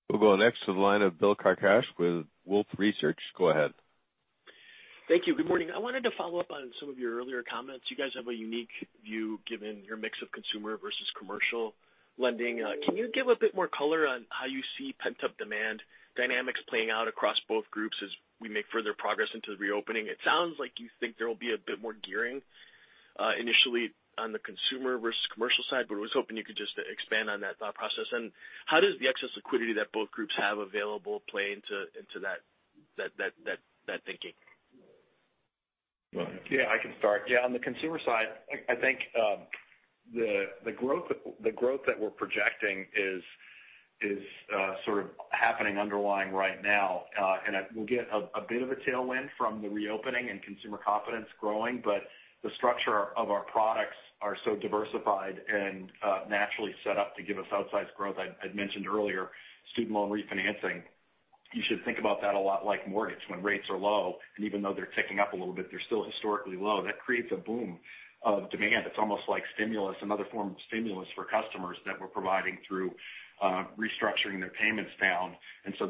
We'll go next to the line of Bill Carcache with Wolfe Research. Go ahead.
Thank you. Good morning. I wanted to follow up on some of your earlier comments. You guys have a unique view given your mix of consumer versus commercial lending. Can you give a bit more color on how you see pent-up demand dynamics playing out across both groups as we make further progress into the reopening? It sounds like you think there will be a bit more gearing initially on the consumer versus commercial side, but I was hoping you could just expand on that thought process. How does the excess liquidity that both groups have available play into that thinking?
Go ahead.
Yeah, I can start. Yeah, on the consumer side, I think the growth that we're projecting is sort of happening underlying right now. We'll get a bit of a tailwind from the reopening and consumer confidence growing, but the structure of our products are so diversified and naturally set up to give us outsized growth. I'd mentioned earlier, student loan refinancing. You should think about that a lot like mortgage when rates are low. Even though they're ticking up a little bit, they're still historically low. That creates a boom of demand. It's almost like stimulus, another form of stimulus for customers that we're providing through restructuring their payments down.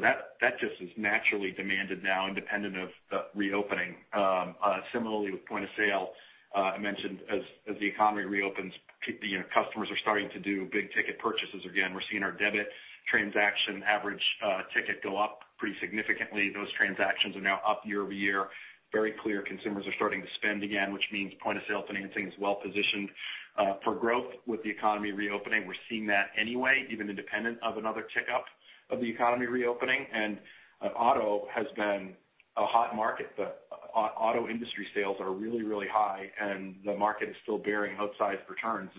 That just is naturally demanded now independent of the reopening. Similarly with point-of-sale, I mentioned as the economy reopens, customers are starting to do big-ticket purchases again. We're seeing our debit transaction average ticket go up pretty significantly. Those transactions are now up year-over-year. Very clear consumers are starting to spend again, which means point-of-sale financing is well-positioned for growth with the economy reopening. We're seeing that anyway, even independent of another tick up of the economy reopening. Auto has been a hot market. The auto industry sales are really, really high, and the market is still bearing outsized returns.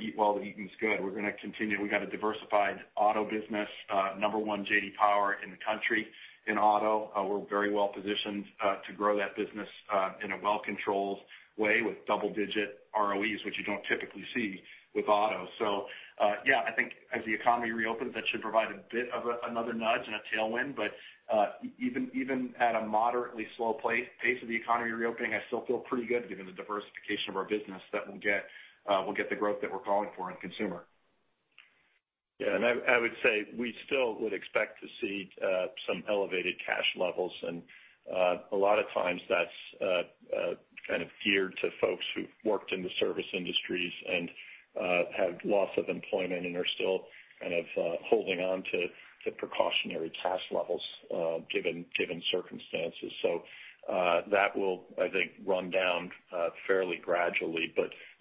Eat while the eating's good. We're going to continue. We got a diversified auto business, number one J.D. Power in the country in auto. We're very well-positioned to grow that business in a well-controlled way with double-digit ROEs, which you don't typically see with auto. Yeah, I think as the economy reopens, that should provide a bit of another nudge and a tailwind. Even at a moderately slow pace of the economy reopening, I still feel pretty good given the diversification of our business that we'll get the growth that we're calling for in consumer.
I would say we still would expect to see some elevated cash levels. A lot of times that's kind of geared to folks who've worked in the service industries and had loss of employment and are still kind of holding on to precautionary cash levels given circumstances. That will, I think, run down fairly gradually.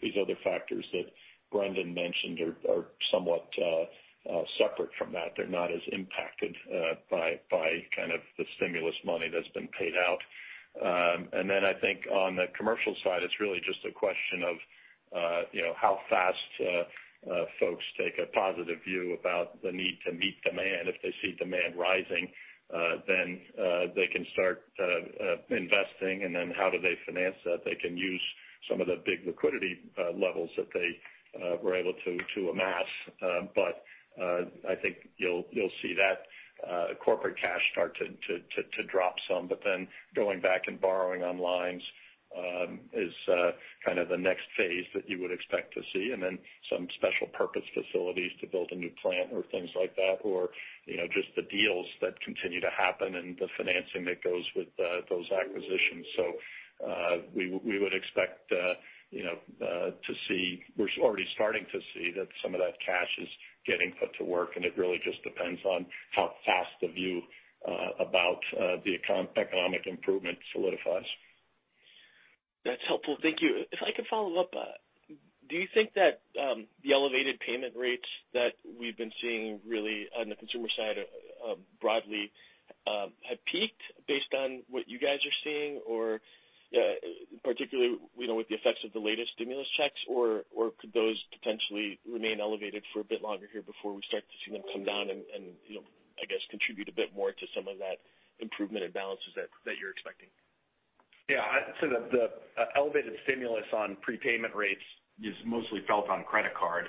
These other factors that Brendan mentioned are somewhat separate from that. They're not as impacted by kind of the stimulus money that's been paid out. I think on the commercial side, it's really just a question of how fast folks take a positive view about the need to meet demand. If they see demand rising, then they can start investing. How do they finance that? They can use some of the big liquidity levels that they were able to amass. I think you'll see that corporate cash start to drop some. Going back and borrowing on lines is kind of the next phase that you would expect to see, and then some special purpose facilities to build a new plant or things like that, or just the deals that continue to happen and the financing that goes with those acquisitions. We're already starting to see that some of that cash is getting put to work, and it really just depends on how fast the view about the economic improvement solidifies.
That's helpful. Thank you. If I could follow up, do you think that the elevated payment rates that we've been seeing really on the consumer side broadly have peaked based on what you guys are seeing, or particularly with the effects of the latest stimulus checks, or could those potentially remain elevated for a bit longer here before we start to see them come down and, I guess, contribute a bit more to some of that improvement in balances that you're expecting?
Yeah. The elevated stimulus on prepayment rates is mostly felt on credit card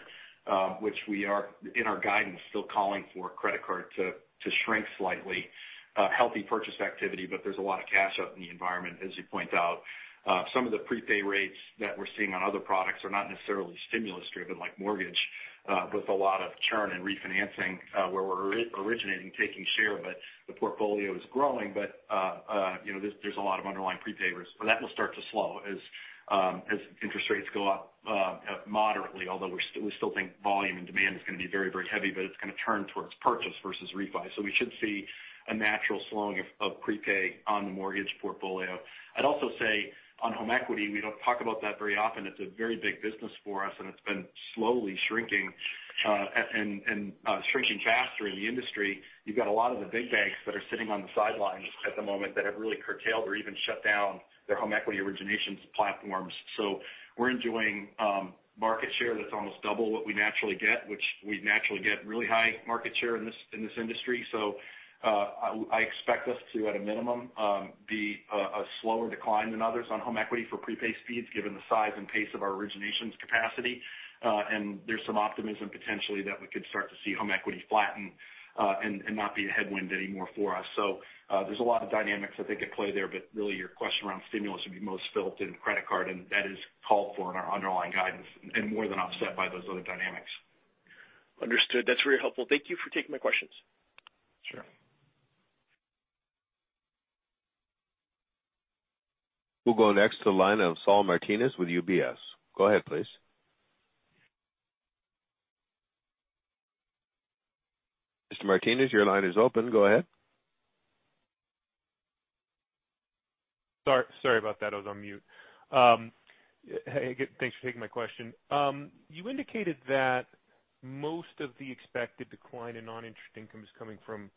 which we are, in our guidance, still calling for credit card to shrink slightly. Healthy purchase activity, but there's a lot of cash up in the environment, as you point out. Some of the prepay rates that we're seeing on other products are not necessarily stimulus driven like mortgage with a lot of churn and refinancing where we're originating taking share, but the portfolio is growing. There's a lot of underlying prepay rates. That will start to slow as interest rates go up moderately, although we still think volume and demand is going to be very, very heavy, but it's going to turn towards purchase versus refi. We should see a natural slowing of prepay on the mortgage portfolio. I'd also say on home equity, we don't talk about that very often. It's a very big business for us. It's been slowly shrinking and shrinking faster in the industry. You've got a lot of the big banks that are sitting on the sidelines at the moment that have really curtailed or even shut down their home equity originations platforms. We're enjoying market share that's almost double what we naturally get, which we naturally get really high market share in this industry. I expect us to, at a minimum, be a slower decline than others on home equity for prepay speeds, given the size and pace of our originations capacity. There's some optimism potentially that we could start to see home equity flatten and not be a headwind anymore for us. There's a lot of dynamics I think at play there, but really your question around stimulus would be most felt in credit card, and that is called for in our underlying guidance and more than offset by those other dynamics.
Understood. That's very helpful. Thank you for taking my questions.
Sure.
We'll go next to the line of Saul Martinez with UBS. Go ahead, please. Mr. Martinez, your line is open. Go ahead.
Sorry about that. I was on mute. Hey, thanks for taking my question. You indicated that most of the expected decline in non-interest income is coming from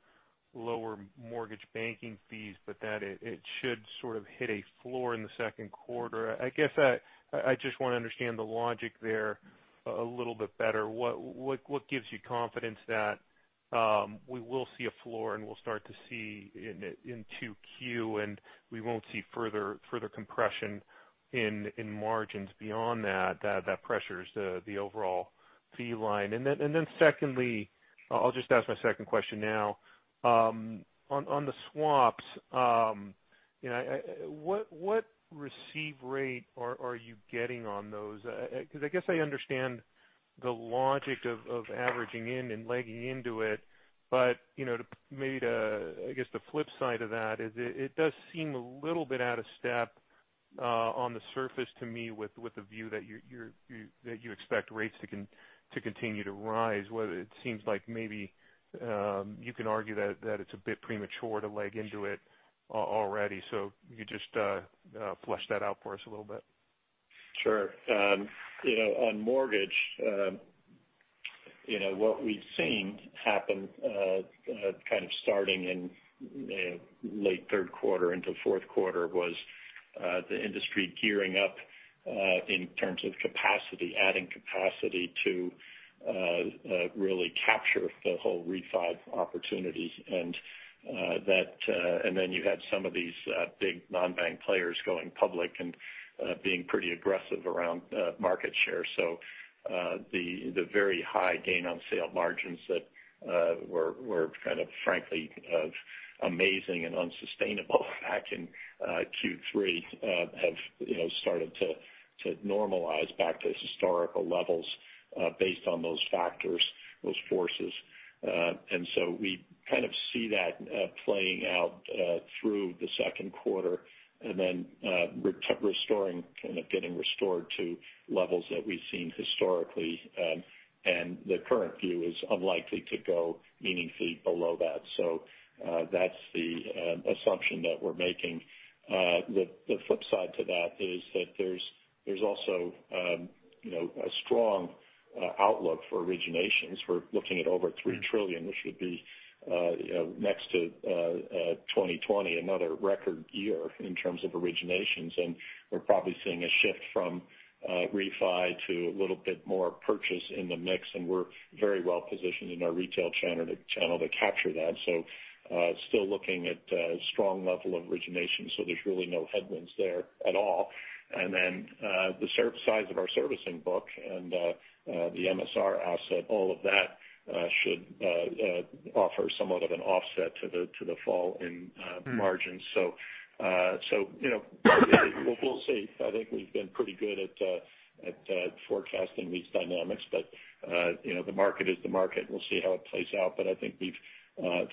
lower mortgage banking fees, but that it should sort of hit a floor in the second quarter. I guess I just want to understand the logic there a little bit better. What gives you confidence that we will see a floor and we'll start to see in 2Q, and we won't see further compression in margins beyond that pressures the overall fee line? Secondly, I'll just ask my second question now. On the swaps, what receive rate are you getting on those? Because I guess I understand the logic of averaging in and legging into it. Maybe I guess the flip side of that is it does seem a little bit out of step on the surface to me with the view that you expect rates to continue to rise. It seems like maybe you can argue that it's a bit premature to leg into it already. Can you just flesh that out for us a little bit?
Sure. On mortgage, what we've seen happen kind of starting in late third quarter into fourth quarter was the industry gearing up in terms of capacity, adding capacity to really capture the whole refi opportunities. Then you had some of these big non-bank players going public and being pretty aggressive around market share. The very high gain on sale margins that were kind of frankly amazing and unsustainable back in Q3 have started to normalize back to historical levels based on those factors, those forces. We kind of see that playing out through the second quarter and then kind of getting restored to levels that we've seen historically, and the current view is unlikely to go meaningfully below that. That's the assumption that we're making. The flip side to that is that there's also a strong outlook for originations. We're looking at over $3 trillion, which would be next to 2020, another record year in terms of originations. We're probably seeing a shift from refi to a little bit more purchase in the mix, and we're very well positioned in our retail channel to capture that. Still looking at a strong level of origination. There's really no headwinds there at all. The size of our servicing book and the MSR asset, all of that should offer somewhat of an offset to the fall in margins. We'll see. I think we've been pretty good at forecasting these dynamics. The market is the market, and we'll see how it plays out. I think we've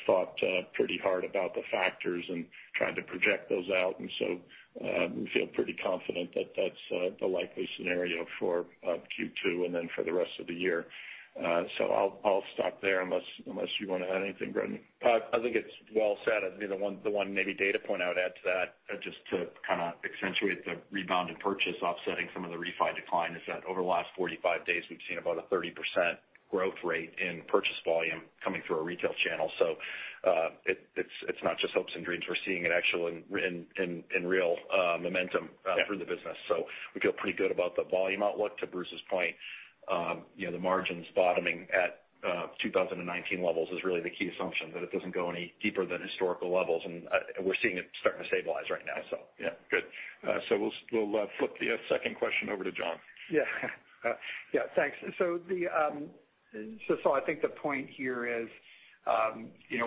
thought pretty hard about the factors and trying to project those out, and so we feel pretty confident that that's the likely scenario for Q2 and then for the rest of the year. I'll stop there unless you want to add anything, Brendan.
I think it's well said. The one maybe data point I would add to that, just to kind of accentuate the rebound in purchase offsetting some of the refi decline, is that over the last 45 days, we've seen about a 30% growth rate in purchase volume coming through our retail channel. It's not just hopes and dreams. We're seeing it actually in real momentum through the business. We feel pretty good about the volume outlook. To Bruce's point, the margins bottoming at 2019 levels is really the key assumption, that it doesn't go any deeper than historical levels. We're seeing it starting to stabilize right now.
Yeah. Good. We'll flip the second question over to John.
Yeah. Yeah, thanks. I think the point here is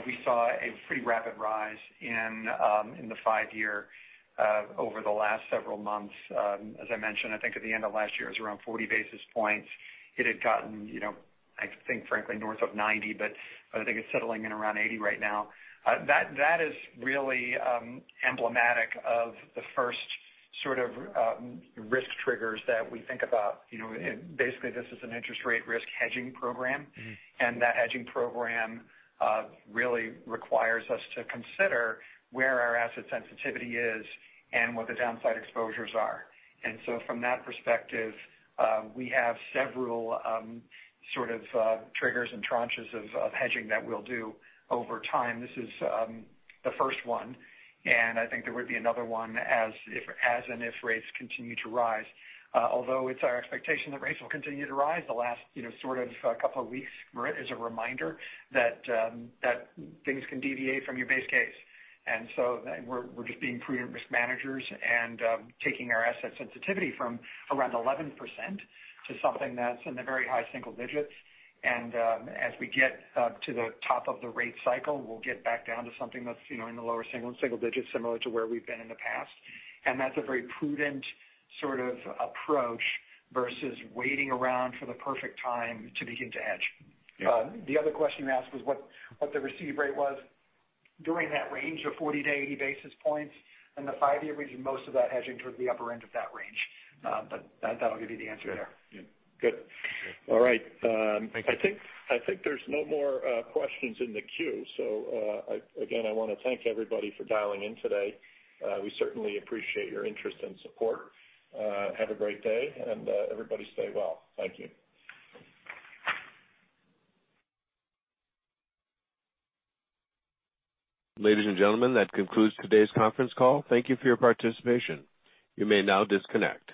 we saw a pretty rapid rise in the five-year over the last several months. As I mentioned, I think at the end of last year, it was around 40 basis points. It had gotten, I think, frankly, north of 90, but I think it's settling in around 80 right now. That is really emblematic of the first sort of risk triggers that we think about. Basically, this is an interest rate risk hedging program. That hedging program really requires us to consider where our asset sensitivity is and what the downside exposures are. From that perspective, we have several sort of triggers and tranches of hedging that we'll do over time. This is the first one, and I think there would be another one as and if rates continue to rise. Although it's our expectation that rates will continue to rise, the last sort of couple of weeks is a reminder that things can deviate from your base case. We're just being prudent risk managers and taking our asset sensitivity from around 11% to something that's in the very high single digits. As we get to the top of the rate cycle, we'll get back down to something that's in the lower single digits, similar to where we've been in the past. That's a very prudent sort of approach versus waiting around for the perfect time to begin to hedge.
Yeah.
The other question you asked was what the receive rate was during that range of 40-80 basis points. In the five-year range, most of that hedging toward the upper end of that range. That'll give you the answer there.
Yeah. Good. All right.
Thank you.
I think there's no more questions in the queue. Again, I want to thank everybody for dialing in today. We certainly appreciate your interest and support. Have a great day, and everybody stay well. Thank you.
Ladies and gentlemen, that concludes today's conference call. Thank you for your participation. You may now disconnect.